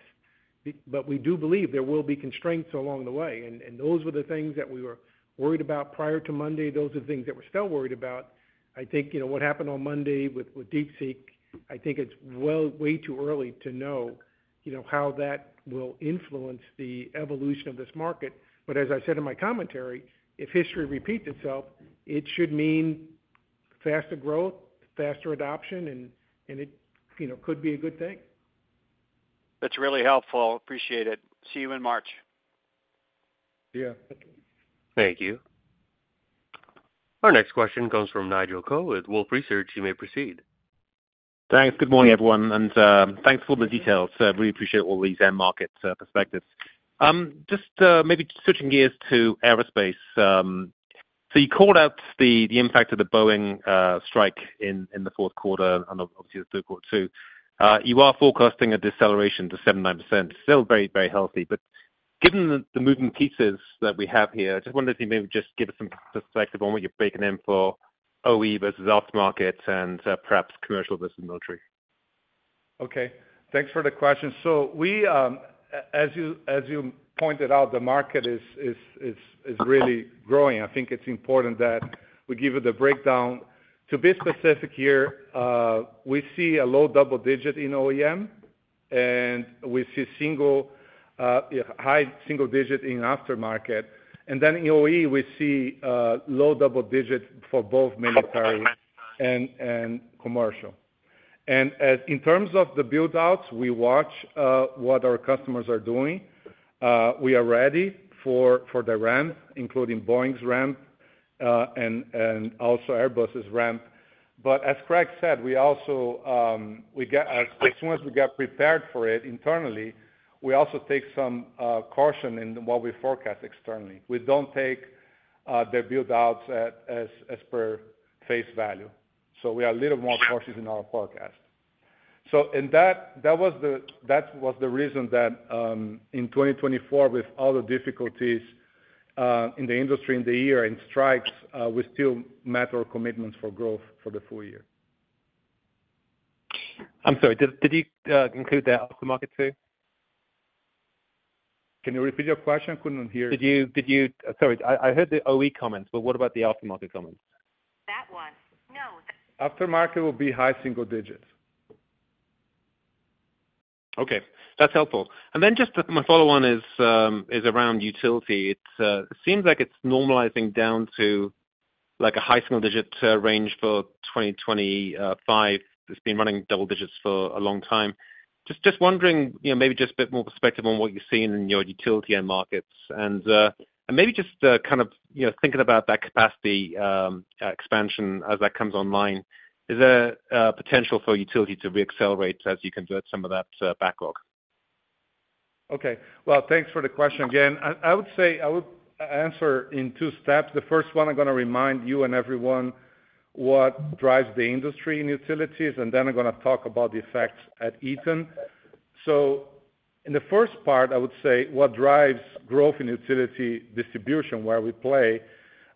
But we do believe there will be constraints along the way. And those were the things that we were worried about prior to Monday. Those are the things that we're still worried about. I think what happened on Monday with DeepSeek, I think it's way too early to know how that will influence the evolution of this market. But as I said in my commentary, if history repeats itself, it should mean faster growth, faster adoption, and it could be a good thing. That's really helpful. Appreciate it. See you in March. Yeah. Thank you. Our next question comes from Nigel Coe with Wolfe Research. You may proceed. Thanks. Good morning, everyone. And thanks for the details. Really appreciate all these market perspectives. Just maybe switching gears to aerospace. So you called out the impact of the Boeing strike in the fourth quarter and obviously the third quarter too. You are forecasting a deceleration to 7%-9%. Still very, very healthy. But given the moving pieces that we have here, I just wonder if you maybe just give us some perspective on what you're baking in for OE versus aftermarket and perhaps commercial versus military? Okay. Thanks for the question. So as you pointed out, the market is really growing. I think it's important that we give you the breakdown. To be specific here, we see a low double digit in OEM, and we see high single digit in aftermarket. And then in OE, we see low double digit for both military and commercial. And in terms of the build-outs, we watch what our customers are doing. We are ready for the ramp, including Boeing's ramp and also Airbus's ramp. But as Craig said, as soon as we get prepared for it internally, we also take some caution in what we forecast externally. We don't take the build-outs as per face value. So we are a little more cautious in our forecast. So that was the reason that in 2024, with all the difficulties in the industry in the year and strikes, we still met our commitments for growth for the full year. I'm sorry. Did you include the aftermarket too? Can you repeat your question? I couldn't hear. Sorry. I heard the OE comments, but what about the aftermarket comments? That one. No. Aftermarket will be high single digit. Okay. That's helpful. And then just my follow-on is around utility. It seems like it's normalizing down to a high single digit range for 2025. It's been running double digits for a long time. Just wondering maybe just a bit more perspective on what you've seen in your utility end markets. And maybe just kind of thinking about that capacity expansion as that comes online, is there potential for utility to re-accelerate as you convert some of that backlog? Okay. Well, thanks for the question again. I would answer in two steps. The first one, I'm going to remind you and everyone what drives the industry in utilities, and then I'm going to talk about the effects at Eaton. So in the first part, I would say what drives growth in utility distribution where we play.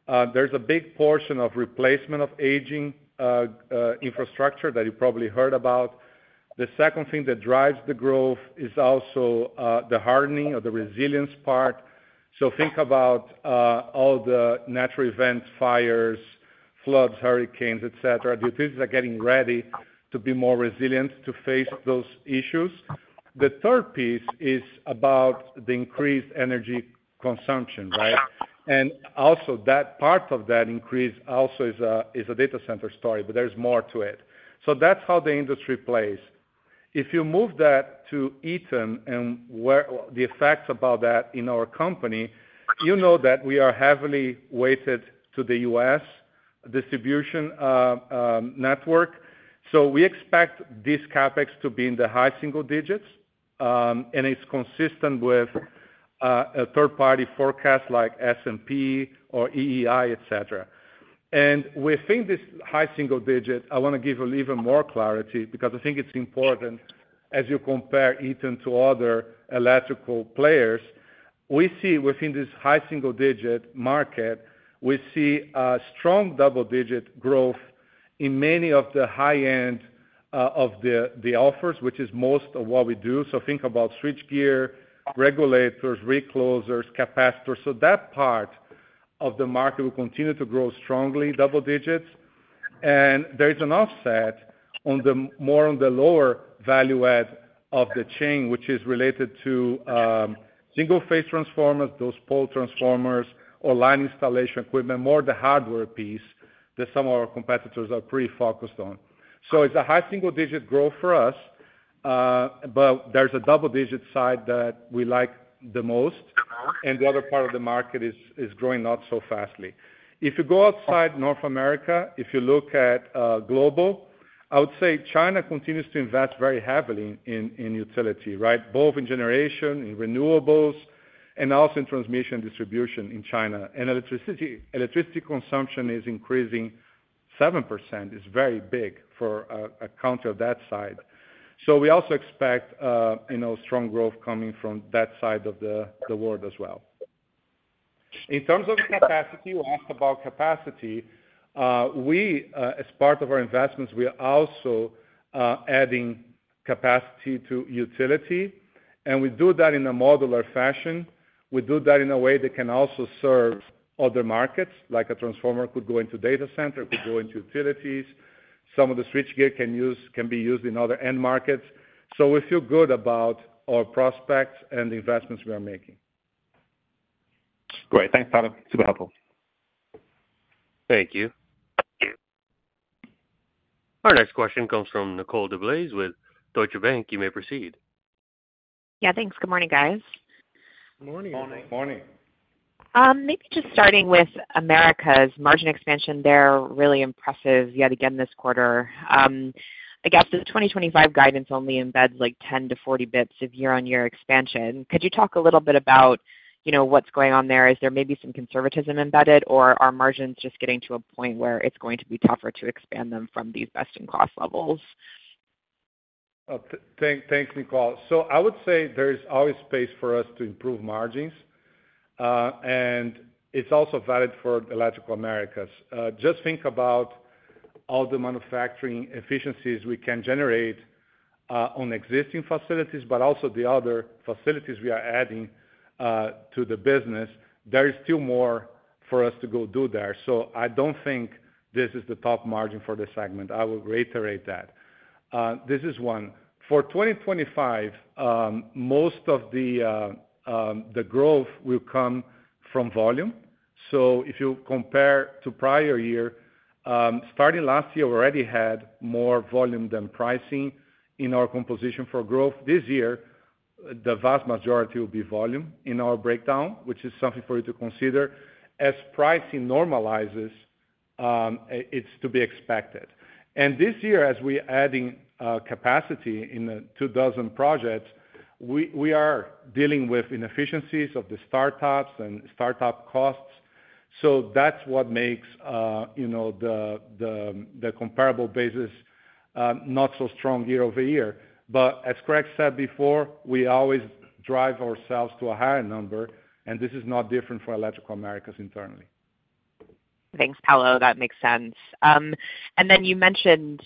There's a big portion of replacement of aging infrastructure that you probably heard about. The second thing that drives the growth is also the hardening of the resilience part. So think about all the natural events, fires, floods, hurricanes, etc. The utilities are getting ready to be more resilient to face those issues. The third piece is about the increased energy consumption, right? And also that part of that increase also is a data center story, but there's more to it. So that's how the industry plays. If you move that to Eaton and the effects about that in our company, you know that we are heavily weighted to the U.S. distribution network. So we expect this CapEx to be in the high single digits, and it's consistent with a third-party forecast like S&P or EEI, etc. And within this high single digit, I want to give you even more clarity because I think it's important as you compare Eaton to other electrical players. We see within this high single digit market, we see a strong double-digit growth in many of the high-end of the offers, which is most of what we do. So think about switchgear, regulators, reclosers, capacitors. So that part of the market will continue to grow strongly, double digits. There is an offset more on the lower value add of the chain, which is related to single phase transformers, those pole transformers, or line installation equipment, more the hardware piece that some of our competitors are pretty focused on. So it's a high single digit growth for us, but there's a double digit side that we like the most. And the other part of the market is growing not so fast. If you go outside North America, if you look at global, I would say China continues to invest very heavily in utilities, right? Both in generation, in renewables, and also in transmission distribution in China. And electricity consumption is increasing 7%. It's very big for a country of that size. So we also expect strong growth coming from that side of the world as well. In terms of capacity, you asked about capacity. As part of our investments, we are also adding capacity to utility, and we do that in a modular fashion. We do that in a way that can also serve other markets, like a transformer could go into data center, could go into utilities. Some of the switchgear can be used in other end markets, so we feel good about our prospects and the investments we are making. Great. Thanks, that's super helpful. Thank you. Our next question comes from Nicole DeBlase with Deutsche Bank. You may proceed. Yeah. Thanks. Good morning, guys. Good morning. Morning. Morning. Maybe just starting with Americas' margin expansion, they're really impressive yet again this quarter. I guess the 2025 guidance only embeds like 10-40 basis points of year-on-year expansion. Could you talk a little bit about what's going on there? Is there maybe some conservatism embedded, or are margins just getting to a point where it's going to be tougher to expand them from these best-in-class levels? Thanks, Nicole. So I would say there's always space for us to improve margins, and it's also valid for Electrical Americas. Just think about all the manufacturing efficiencies we can generate on existing facilities, but also the other facilities we are adding to the business. There is still more for us to go do there. So I don't think this is the top margin for the segment. I will reiterate that. This is one. For 2025, most of the growth will come from volume. So if you compare to prior year, starting last year, we already had more volume than pricing in our composition for growth. This year, the vast majority will be volume in our breakdown, which is something for you to consider. As pricing normalizes, it's to be expected. And this year, as we're adding capacity in two dozen projects, we are dealing with inefficiencies of the startups and startup costs. So that's what makes the comparable basis not so strong year over year. But as Craig said before, we always drive ourselves to a higher number, and this is not different for Electrical Americas internally. Thanks, Paulo. That makes sense. And then you mentioned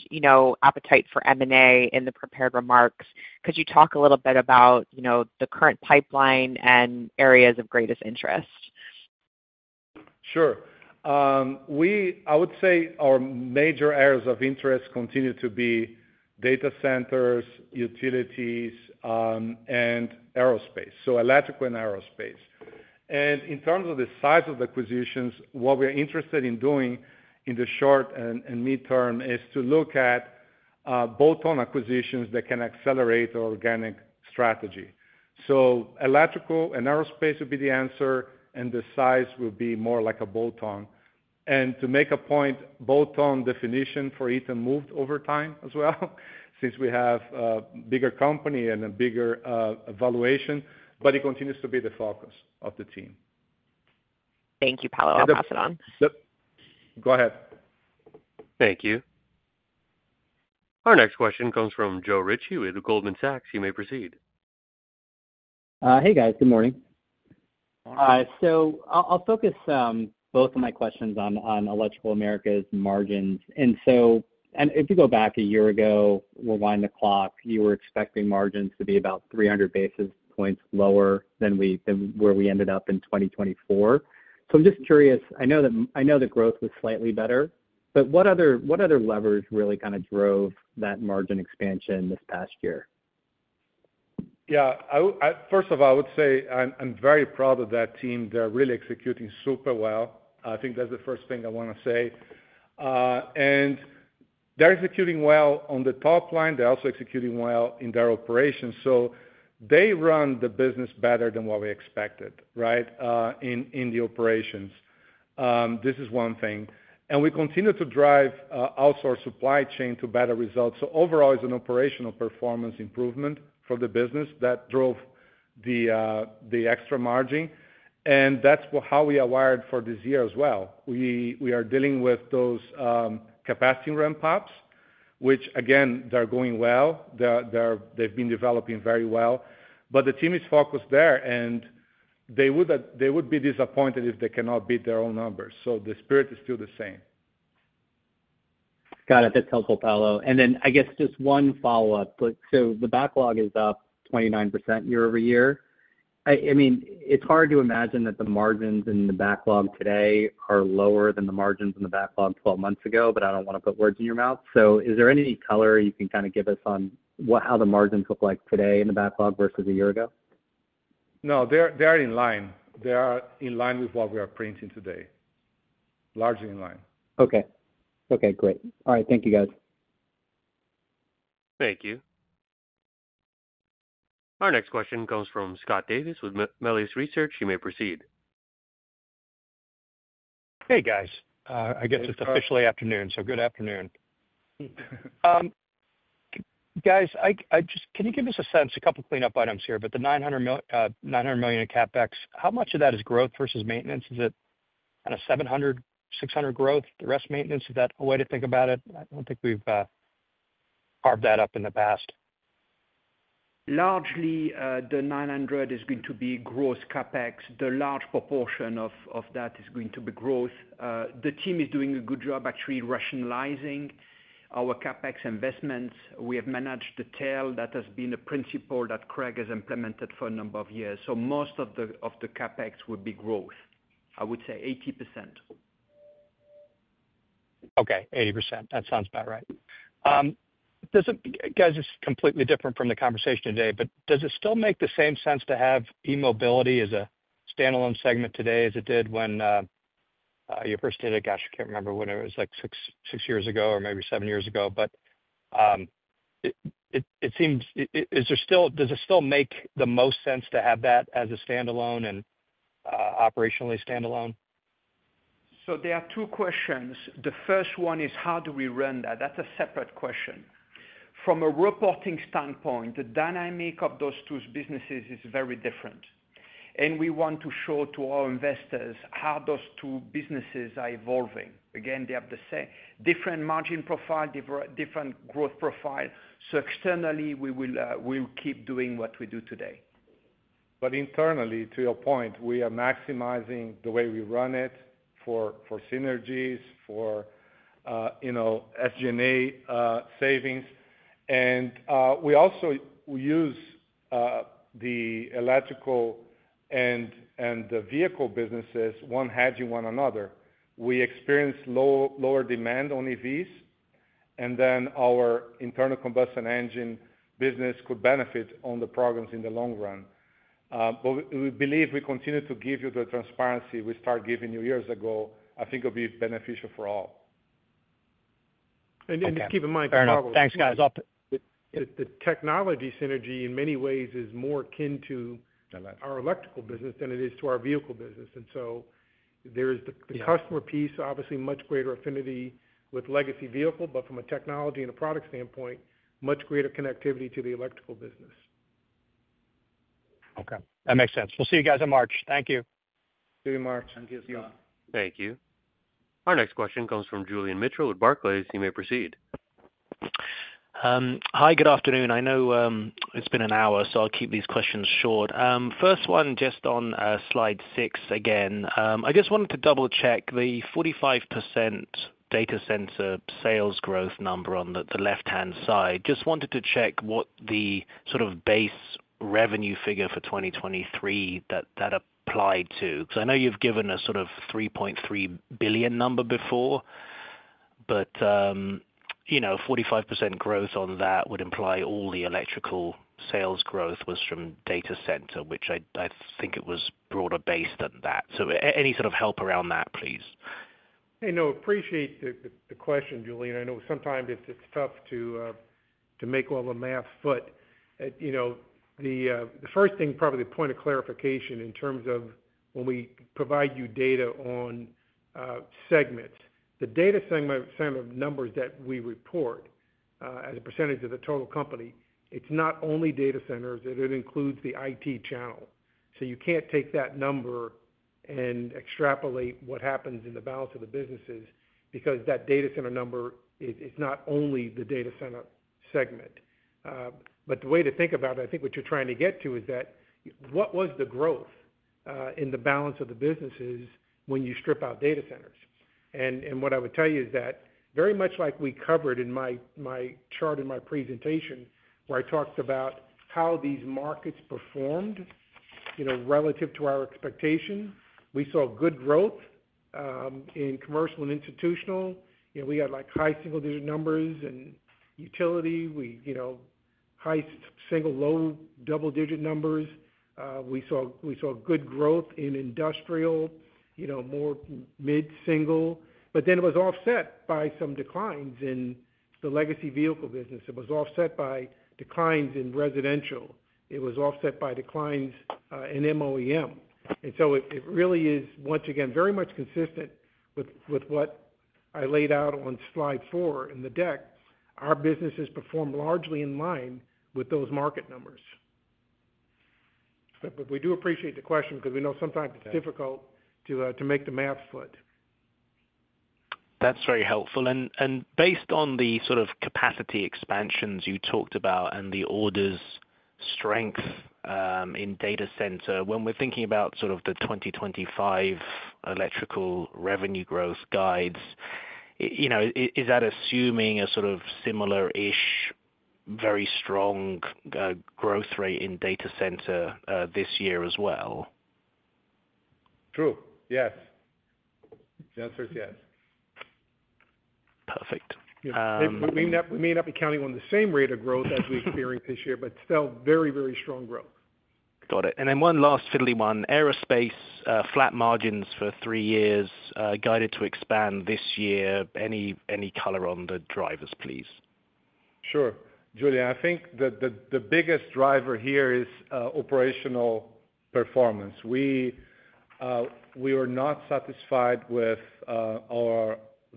appetite for M&A in the prepared remarks. Could you talk a little bit about the current pipeline and areas of greatest interest? Sure. I would say our major areas of interest continue to be data centers, utilities, and aerospace, so Electrical and Aerospace. And in terms of the size of the acquisitions, what we're interested in doing in the short and midterm is to look at bolt-on acquisitions that can accelerate our organic strategy. So Electrical and Aerospace would be the answer, and the size will be more like a bolt-on. And to make a point, bolt-on definition for Eaton moved over time as well since we have a bigger company and a bigger valuation, but it continues to be the focus of the team. Thank you, Paulo. I'll pass it on. Go ahead. Thank you. Our next question comes from Joe Ritchie with Goldman Sachs. You may proceed. Hey, guys. Good morning. So I'll focus both of my questions on Electrical Americas' margins. And if you go back a year ago, rewind the clock, you were expecting margins to be about 300 basis points lower than where we ended up in 2024. So I'm just curious. I know the growth was slightly better, but what other levers really kind of drove that margin expansion this past year? Yeah. First of all, I would say I'm very proud of that team. They're really executing super well. I think that's the first thing I want to say. And they're executing well on the top line. They're also executing well in their operations. So they run the business better than what we expected, right, in the operations. This is one thing. And we continue to drive outsourced supply chain to better results. So overall, it's an operational performance improvement for the business that drove the extra margin. And that's how we are wired for this year as well. We are dealing with those capacity ramp-ups, which, again, they're going well. They've been developing very well. But the team is focused there, and they would be disappointed if they cannot beat their own numbers. So the spirit is still the same. Got it. That's helpful, Paulo. And then I guess just one follow-up. So the backlog is up 29% year over year. I mean, it's hard to imagine that the margins in the backlog today are lower than the margins in the backlog 12 months ago, but I don't want to put words in your mouth. So is there any color you can kind of give us on how the margins look like today in the backlog versus a year ago? No, they're in line. They are in line with what we are printing today. Largely in line. Okay. Great. All right. Thank you, guys. Thank you. Our next question comes from Scott Davis with Melius Research. You may proceed. Hey, guys. I guess it's officially afternoon, so good afternoon. Guys, can you give us a sense, a couple of cleanup items here, but the $900 million in CapEx, how much of that is growth versus maintenance? Is it kind of 700, 600 growth? The rest maintenance? Is that a way to think about it? I don't think we've carved that up in the past. Largely, the 900 is going to be gross CapEx. The large proportion of that is going to be growth. The team is doing a good job, actually, rationalizing our CapEx investments. We have managed the tail that has been a principle that Craig has implemented for a number of years. So most of the CapEx will be growth, I would say, 80%. Okay. 80%. That sounds about right. Guys, this is completely different from the conversation today, but does it still make the same sense to have eMobility as a standalone segment today as it did when you first did it? Gosh, I can't remember when it was like six years ago or maybe seven years ago, but is there still. Does it still make the most sense to have that as a standalone and operationally standalone? So there are two questions. The first one is, how do we run that? That's a separate question. From a reporting standpoint, the dynamic of those two businesses is very different. And we want to show to our investors how those two businesses are evolving. Again, they have very different margin profile, different growth profile. So externally, we will keep doing what we do today. But internally, to your point, we are maximizing the way we run it for synergies, for SG&A savings. And we also use the electrical and the vehicle businesses one hedging one another. We experience lower demand on EVs, and then our internal combustion engine business could benefit on the programs in the long run. But we believe we continue to give you the transparency we started giving you years ago. I think it'll be beneficial for all. Just keep in mind. Fair enough. Thanks, guys. The technology synergy, in many ways, is more akin to our electrical business than it is to our vehicle business, and so there is the customer piece, obviously, much greater affinity with legacy vehicle, but from a technology and a product standpoint, much greater connectivity to the electrical business. Okay. That makes sense. We'll see you guys in March. Thank you. See you in March. Thank you. Thank you. Our next question comes from Julian Mitchell with Barclays. You may proceed. Hi. Good afternoon. I know it's been an hour, so I'll keep these questions short. First one, just on slide six again. I just wanted to double-check the 45% data center sales growth number on the left-hand side. Just wanted to check what the sort of base revenue figure for 2023 that applied to. So I know you've given a sort of $3.3 billion number before, but 45% growth on that would imply all the electrical sales growth was from data center, which I think it was broader based than that. So any sort of help around that, please? I appreciate the question, Julian. I know sometimes it's tough to make all the math, but the first thing, probably the point of clarification in terms of when we provide you data on segments, the data center numbers that we report as a percentage of the total company, it's not only data centers. It includes the IT channel. So you can't take that number and extrapolate what happens in the balance of the businesses because that data center number is not only the data center segment. But the way to think about it, I think what you're trying to get to is that what was the growth in the balance of the businesses when you strip out data centers? And what I would tell you is that very much like we covered in my chart in my presentation, where I talked about how these markets performed relative to our expectation, we saw good growth in commercial and institutional. We had high single-digit numbers in utility, high single-low double-digit numbers. We saw good growth in industrial, more mid-single. But then it was offset by some declines in the legacy vehicle business. It was offset by declines in residential. It was offset by declines in MOEM. And so it really is, once again, very much consistent with what I laid out on slide four in the deck. Our businesses performed largely in line with those market numbers. But we do appreciate the question because we know sometimes it's difficult to make the math fit. That's very helpful. And based on the sort of capacity expansions you talked about and the orders strength in data center, when we're thinking about sort of the 2025 electrical revenue growth guides, is that assuming a sort of similar-ish, very strong growth rate in data center this year as well? True. Yes. The answer is yes. Perfect. We may not be counting on the same rate of growth as we experienced this year, but still very, very strong growth. Got it. And then one last fiddly one. Aerospace flat margins for three years, guided to expand this year. Any color on the drivers, please? Sure. Julian, I think the biggest driver here is operational performance. We were not satisfied with the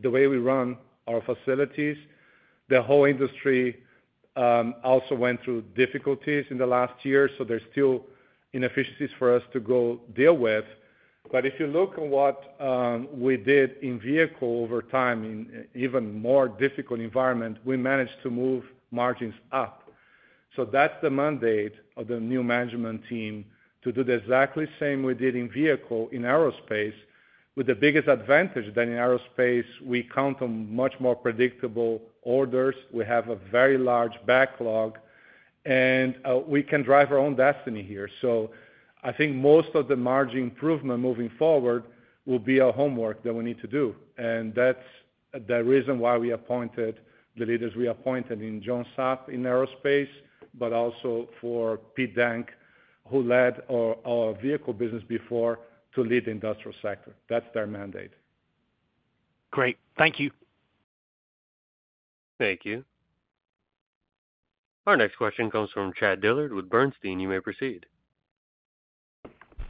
way we run our facilities. The whole industry also went through difficulties in the last year, so there's still inefficiencies for us to go deal with. But if you look at what we did in vehicle over time in an even more difficult environment, we managed to move margins up. So that's the mandate of the new management team to do the exactly same we did in vehicle in aerospace, with the biggest advantage that in aerospace, we count on much more predictable orders. We have a very large backlog, and we can drive our own destiny here. So I think most of the margin improvement moving forward will be our homework that we need to do. That's the reason why we appointed the leaders we appointed in John Sapp in aerospace, but also for Pete Denk, who led our vehicle business before, to lead the industrial sector. That's their mandate. Great. Thank you. Thank you. Our next question comes from Chad Dillard with Bernstein. You may proceed.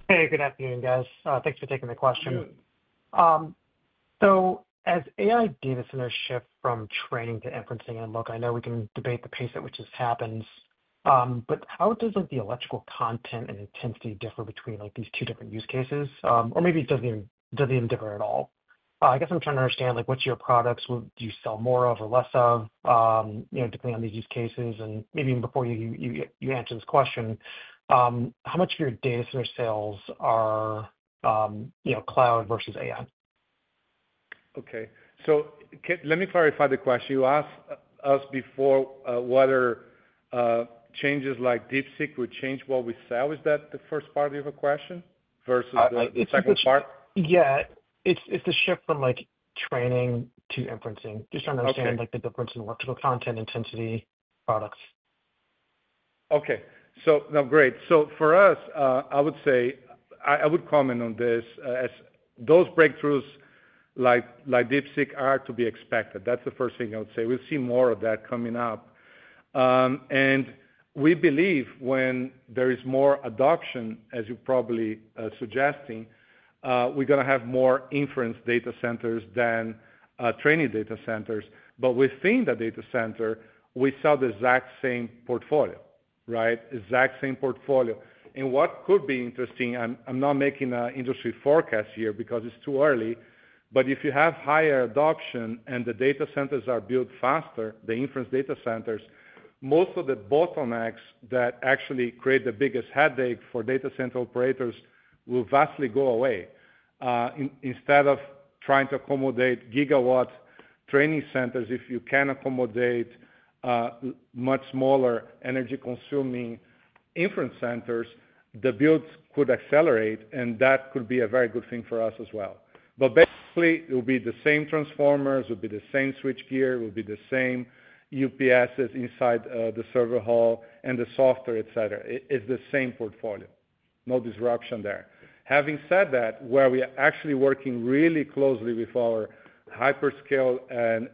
Hey, good afternoon, guys. Thanks for taking the question. So as AI data centers shift from training to inferencing and look, I know we can debate the pace at which this happens, but how does the electrical content and intensity differ between these two different use cases? Or maybe it doesn't even differ at all. I guess I'm trying to understand what's your products? What do you sell more of or less of depending on these use cases? And maybe even before you answer this question, how much of your data center sales are cloud versus AI? Okay. So let me clarify the question. You asked us before whether changes like DeepSeek would change what we sell. Is that the first part of your question versus the second part? Yeah. It's the shift from training to inferencing. Just trying to understand the difference in electrical content, intensity, products. Okay. So now, great. So for us, I would say I would comment on this as those breakthroughs like DeepSeek are to be expected. That's the first thing I would say. We'll see more of that coming up. And we believe when there is more adoption, as you're probably suggesting, we're going to have more inference data centers than training data centers. But within the data center, we sell the exact same portfolio, right? Exact same portfolio. And what could be interesting, I'm not making an industry forecast here because it's too early, but if you have higher adoption and the data centers are built faster, the inference data centers, most of the bottlenecks that actually create the biggest headache for data center operators will vastly go away. Instead of trying to accommodate gigawatt training centers, if you can accommodate much smaller energy-consuming inference centers, the builds could accelerate, and that could be a very good thing for us as well. But basically, it will be the same transformers. It will be the same switchgear. It will be the same UPSs inside the server hall and the software, etc. It's the same portfolio. No disruption there. Having said that, where we are actually working really closely with our hyperscale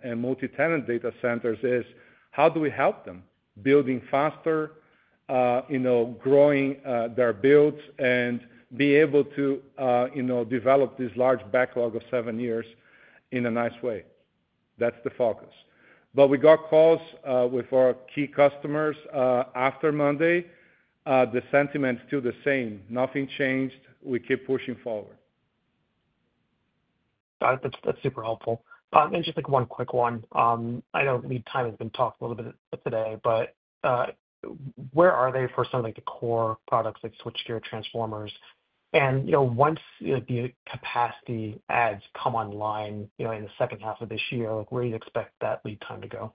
and multi-tenant data centers is how do we help them building faster, growing their builds, and be able to develop this large backlog of seven years in a nice way. That's the focus. But we got calls with our key customers after Monday. The sentiment's still the same. Nothing changed. We keep pushing forward. That's super helpful. And just one quick one. I know lead time has been talked a little bit today, but where are they for some of the core products like switchgear transformers? And once the capacity adds come online in the second half of this year, where do you expect that lead time to go?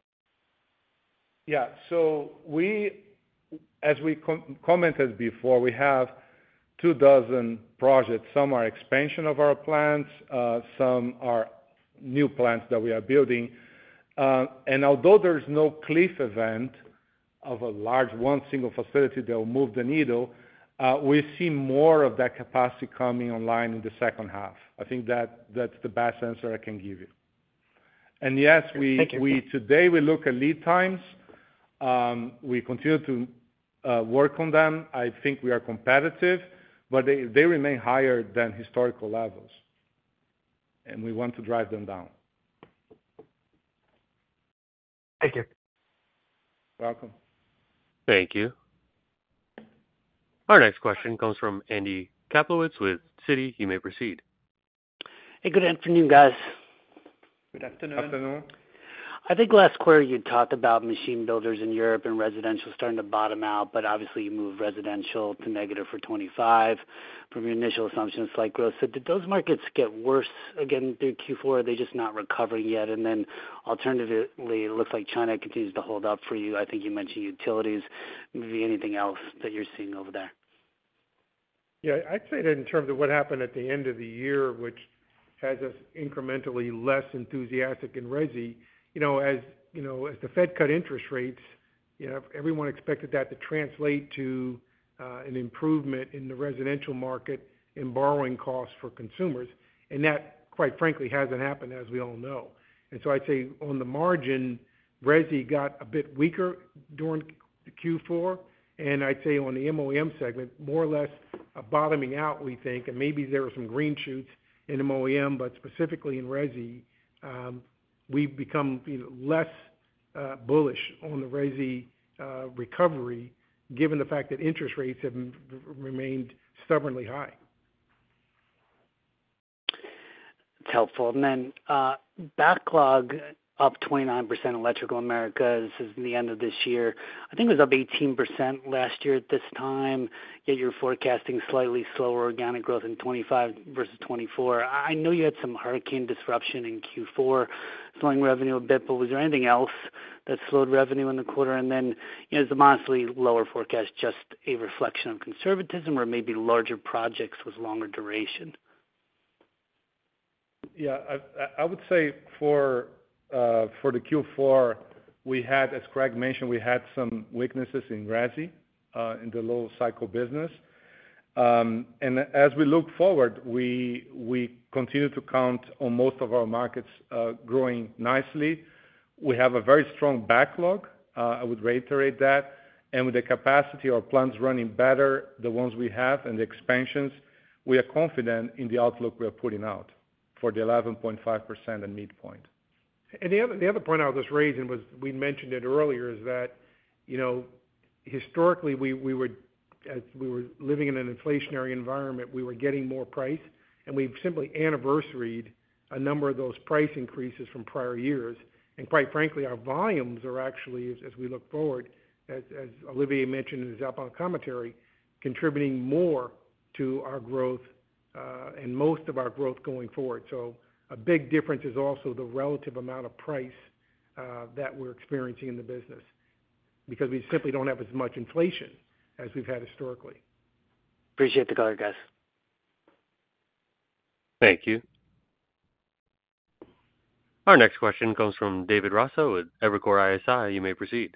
Yeah. So as we commented before, we have two dozen projects. Some are expansion of our plants. Some are new plants that we are building. And although there's no cliff event of a large one single facility that will move the needle, we see more of that capacity coming online in the second half. I think that's the best answer I can give you. And yes, today we look at lead times. We continue to work on them. I think we are competitive, but they remain higher than historical levels. And we want to drive them down. Thank you. Welcome. Thank you. Our next question comes from Andy Kaplowitz with Citi. You may proceed. Hey, good afternoon, guys. Good afternoon. Afternoon. I think last quarter, you'd talked about machine builders in Europe and residential starting to bottom out, but obviously, you moved residential to negative for 2025 from your initial assumption of slight growth. So did those markets get worse again through Q4? Are they just not recovering yet? And then alternatively, it looks like China continues to hold up for you. I think you mentioned utilities. Maybe anything else that you're seeing over there? Yeah. I'd say that in terms of what happened at the end of the year, which has us incrementally less enthusiastic and ready, as the Fed cut interest rates, everyone expected that to translate to an improvement in the residential market and borrowing costs for consumers. And that, quite frankly, hasn't happened, as we all know. And so I'd say on the margin, Resi got a bit weaker during Q4. And I'd say on the MOEM segment, more or less a bottoming out, we think. And maybe there were some green shoots in MOEM, but specifically in Resi, we've become less bullish on the Resi recovery given the fact that interest rates have remained stubbornly high. It's helpful. And then backlog up 29% in Electrical Americas at the end of this year. I think it was up 18% last year at this time. Yet you're forecasting slightly slower organic growth in 2025 versus 2024. I know you had some hurricane disruption in Q4, slowing revenue a bit, but was there anything else that slowed revenue in the quarter? And then is the modestly lower forecast just a reflection of conservatism or maybe larger projects with longer duration? Yeah. I would say for the Q4, as Craig mentioned, we had some weaknesses in resi in the low cycle business. As we look forward, we continue to count on most of our markets growing nicely. We have a very strong backlog. I would reiterate that. With the capacity, our plants running better, the ones we have and the expansions, we are confident in the outlook we are putting out for the 11.5% and midpoint. The other point I was just raising was we mentioned it earlier is that historically, as we were living in an inflationary environment, we were getting more price, and we've simply anniversaried a number of those price increases from prior years. Quite frankly, our volumes are actually, as we look forward, as Olivier mentioned in his opening commentary, contributing more to our growth and most of our growth going forward. So a big difference is also the relative amount of price that we're experiencing in the business because we simply don't have as much inflation as we've had historically. Appreciate the color, guys. Thank you. Our next question comes from David Raso with Evercore ISI. You may proceed.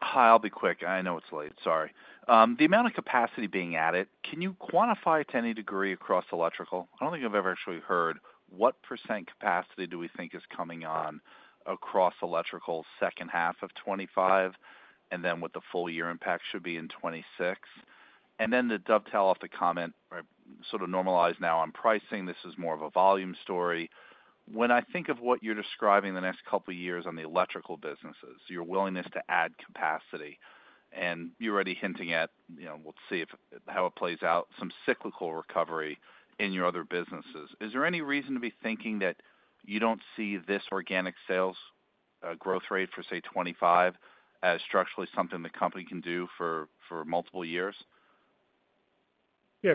Hi. I'll be quick. I know it's late. Sorry. The amount of capacity being added, can you quantify to any degree across electrical? I don't think I've ever actually heard. What % capacity do we think is coming on across electrical second half of 2025? And then what the full year impact should be in 2026? And then to dovetail off the comment, sort of normalize now on pricing, this is more of a volume story. When I think of what you're describing the next couple of years on the electrical businesses, your willingness to add capacity, and you're already hinting at, we'll see how it plays out, some cyclical recovery in your other businesses. Is there any reason to be thinking that you don't see this organic sales growth rate for, say, 2025 as structurally something the company can do for multiple years? Yeah.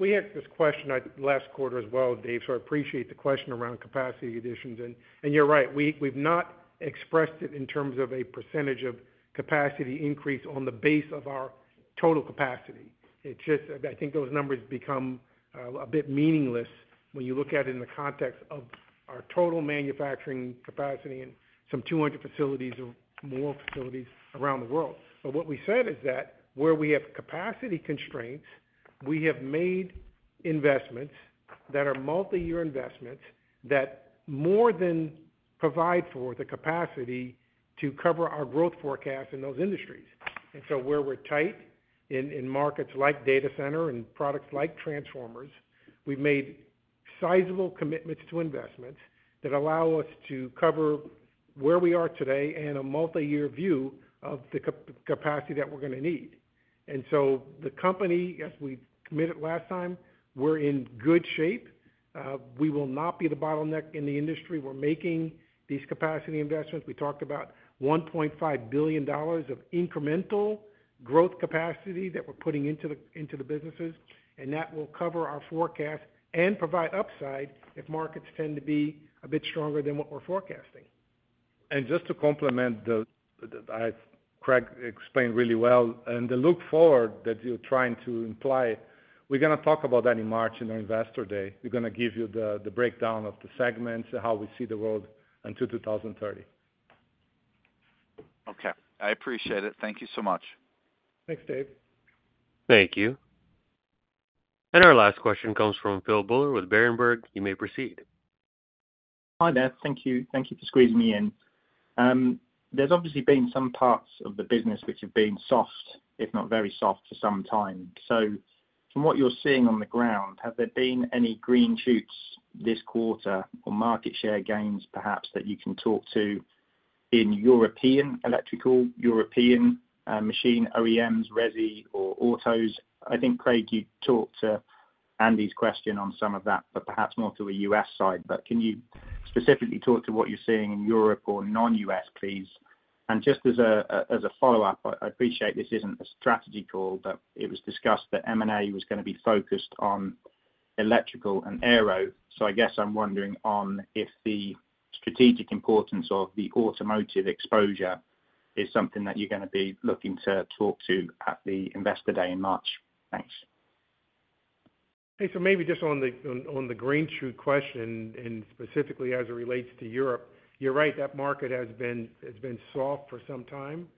We had this question last quarter as well, Dave. So I appreciate the question around capacity additions. And you're right. We've not expressed it in terms of a percentage of capacity increase on the base of our total capacity. It's just that I think those numbers become a bit meaningless when you look at it in the context of our total manufacturing capacity and some 200 facilities or more facilities around the world. But what we said is that where we have capacity constraints, we have made investments that are multi-year investments that more than provide for the capacity to cover our growth forecast in those industries. And so where we're tight in markets like data center and products like transformers, we've made sizable commitments to investments that allow us to cover where we are today and a multi-year view of the capacity that we're going to need. The company, as we committed last time, we're in good shape. We will not be the bottleneck in the industry. We're making these capacity investments. We talked about $1.5 billion of incremental growth capacity that we're putting into the businesses, and that will cover our forecast and provide upside if markets tend to be a bit stronger than what we're forecasting. Just to complement that, Craig explained really well, and the look forward that you're trying to imply, we're going to talk about that in March in our Investor Day. We're going to give you the breakdown of the segments and how we see the world until 2030. Okay. I appreciate it. Thank you so much. Thanks, Dave. Thank you. And our last question comes from Phil Buller with Berenberg. You may proceed. Hi, Yan. Thank you. Thank you for squeezing me in. There's obviously been some parts of the business which have been soft, if not very soft, for some time. So from what you're seeing on the ground, have there been any green shoots this quarter or market share gains, perhaps, that you can talk to in European electrical, European machine, OEMs, Resi, or autos? I think, Craig, you talked to Andy's question on some of that, but perhaps more to the U.S. side. But can you specifically talk to what you're seeing in Europe or non-U.S., please? And just as a follow-up, I appreciate this isn't a strategy call, but it was discussed that M&A was going to be focused on electrical and aero. So I guess I'm wondering on if the strategic importance of the automotive exposure is something that you're going to be looking to talk to at the investor day in March? Thanks. Hey, so maybe just on the green shoot question and specifically as it relates to Europe, you're right. That market has been soft for some time.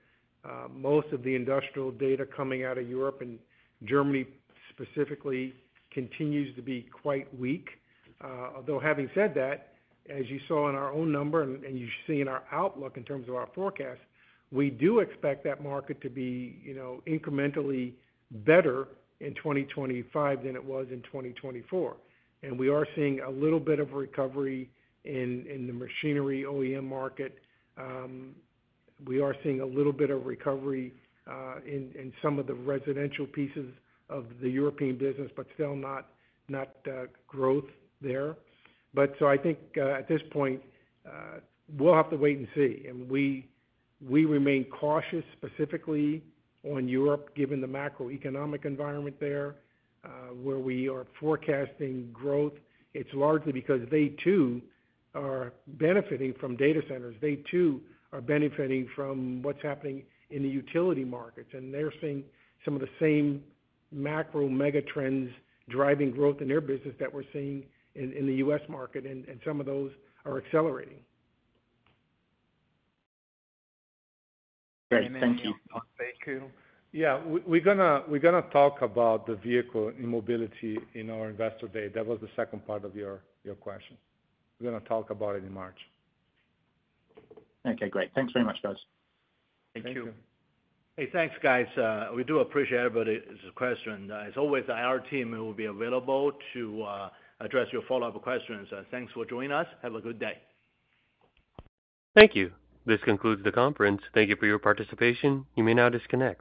Most of the industrial data coming out of Europe and Germany specifically continues to be quite weak. Although having said that, as you saw in our own number and you're seeing our outlook in terms of our forecast, we do expect that market to be incrementally better in 2025 than it was in 2024, and we are seeing a little bit of recovery in the machinery OEM market. We are seeing a little bit of recovery in some of the residential pieces of the European business, but still not growth there, but so I think at this point, we'll have to wait and see, and we remain cautious specifically on Europe, given the macroeconomic environment there where we are forecasting growth. It's largely because they too are benefiting from data centers. They too are benefiting from what's happening in the utility markets, and they're seeing some of the same macro megatrends driving growth in their business that we're seeing in the U.S. market, and some of those are accelerating. Great. Thank you. Thank you. Yeah. We're going to talk about vehicles and mobility in our Investor Day. That was the second part of your question. We're going to talk about it in March. Okay. Great. Thanks very much, guys. Thank you. Hey, thanks, guys. We do appreciate everybody's question. As always, our team will be available to address your follow-up questions. Thanks for joining us. Have a good day. Thank you. This concludes the conference. Thank you for your participation. You may now disconnect.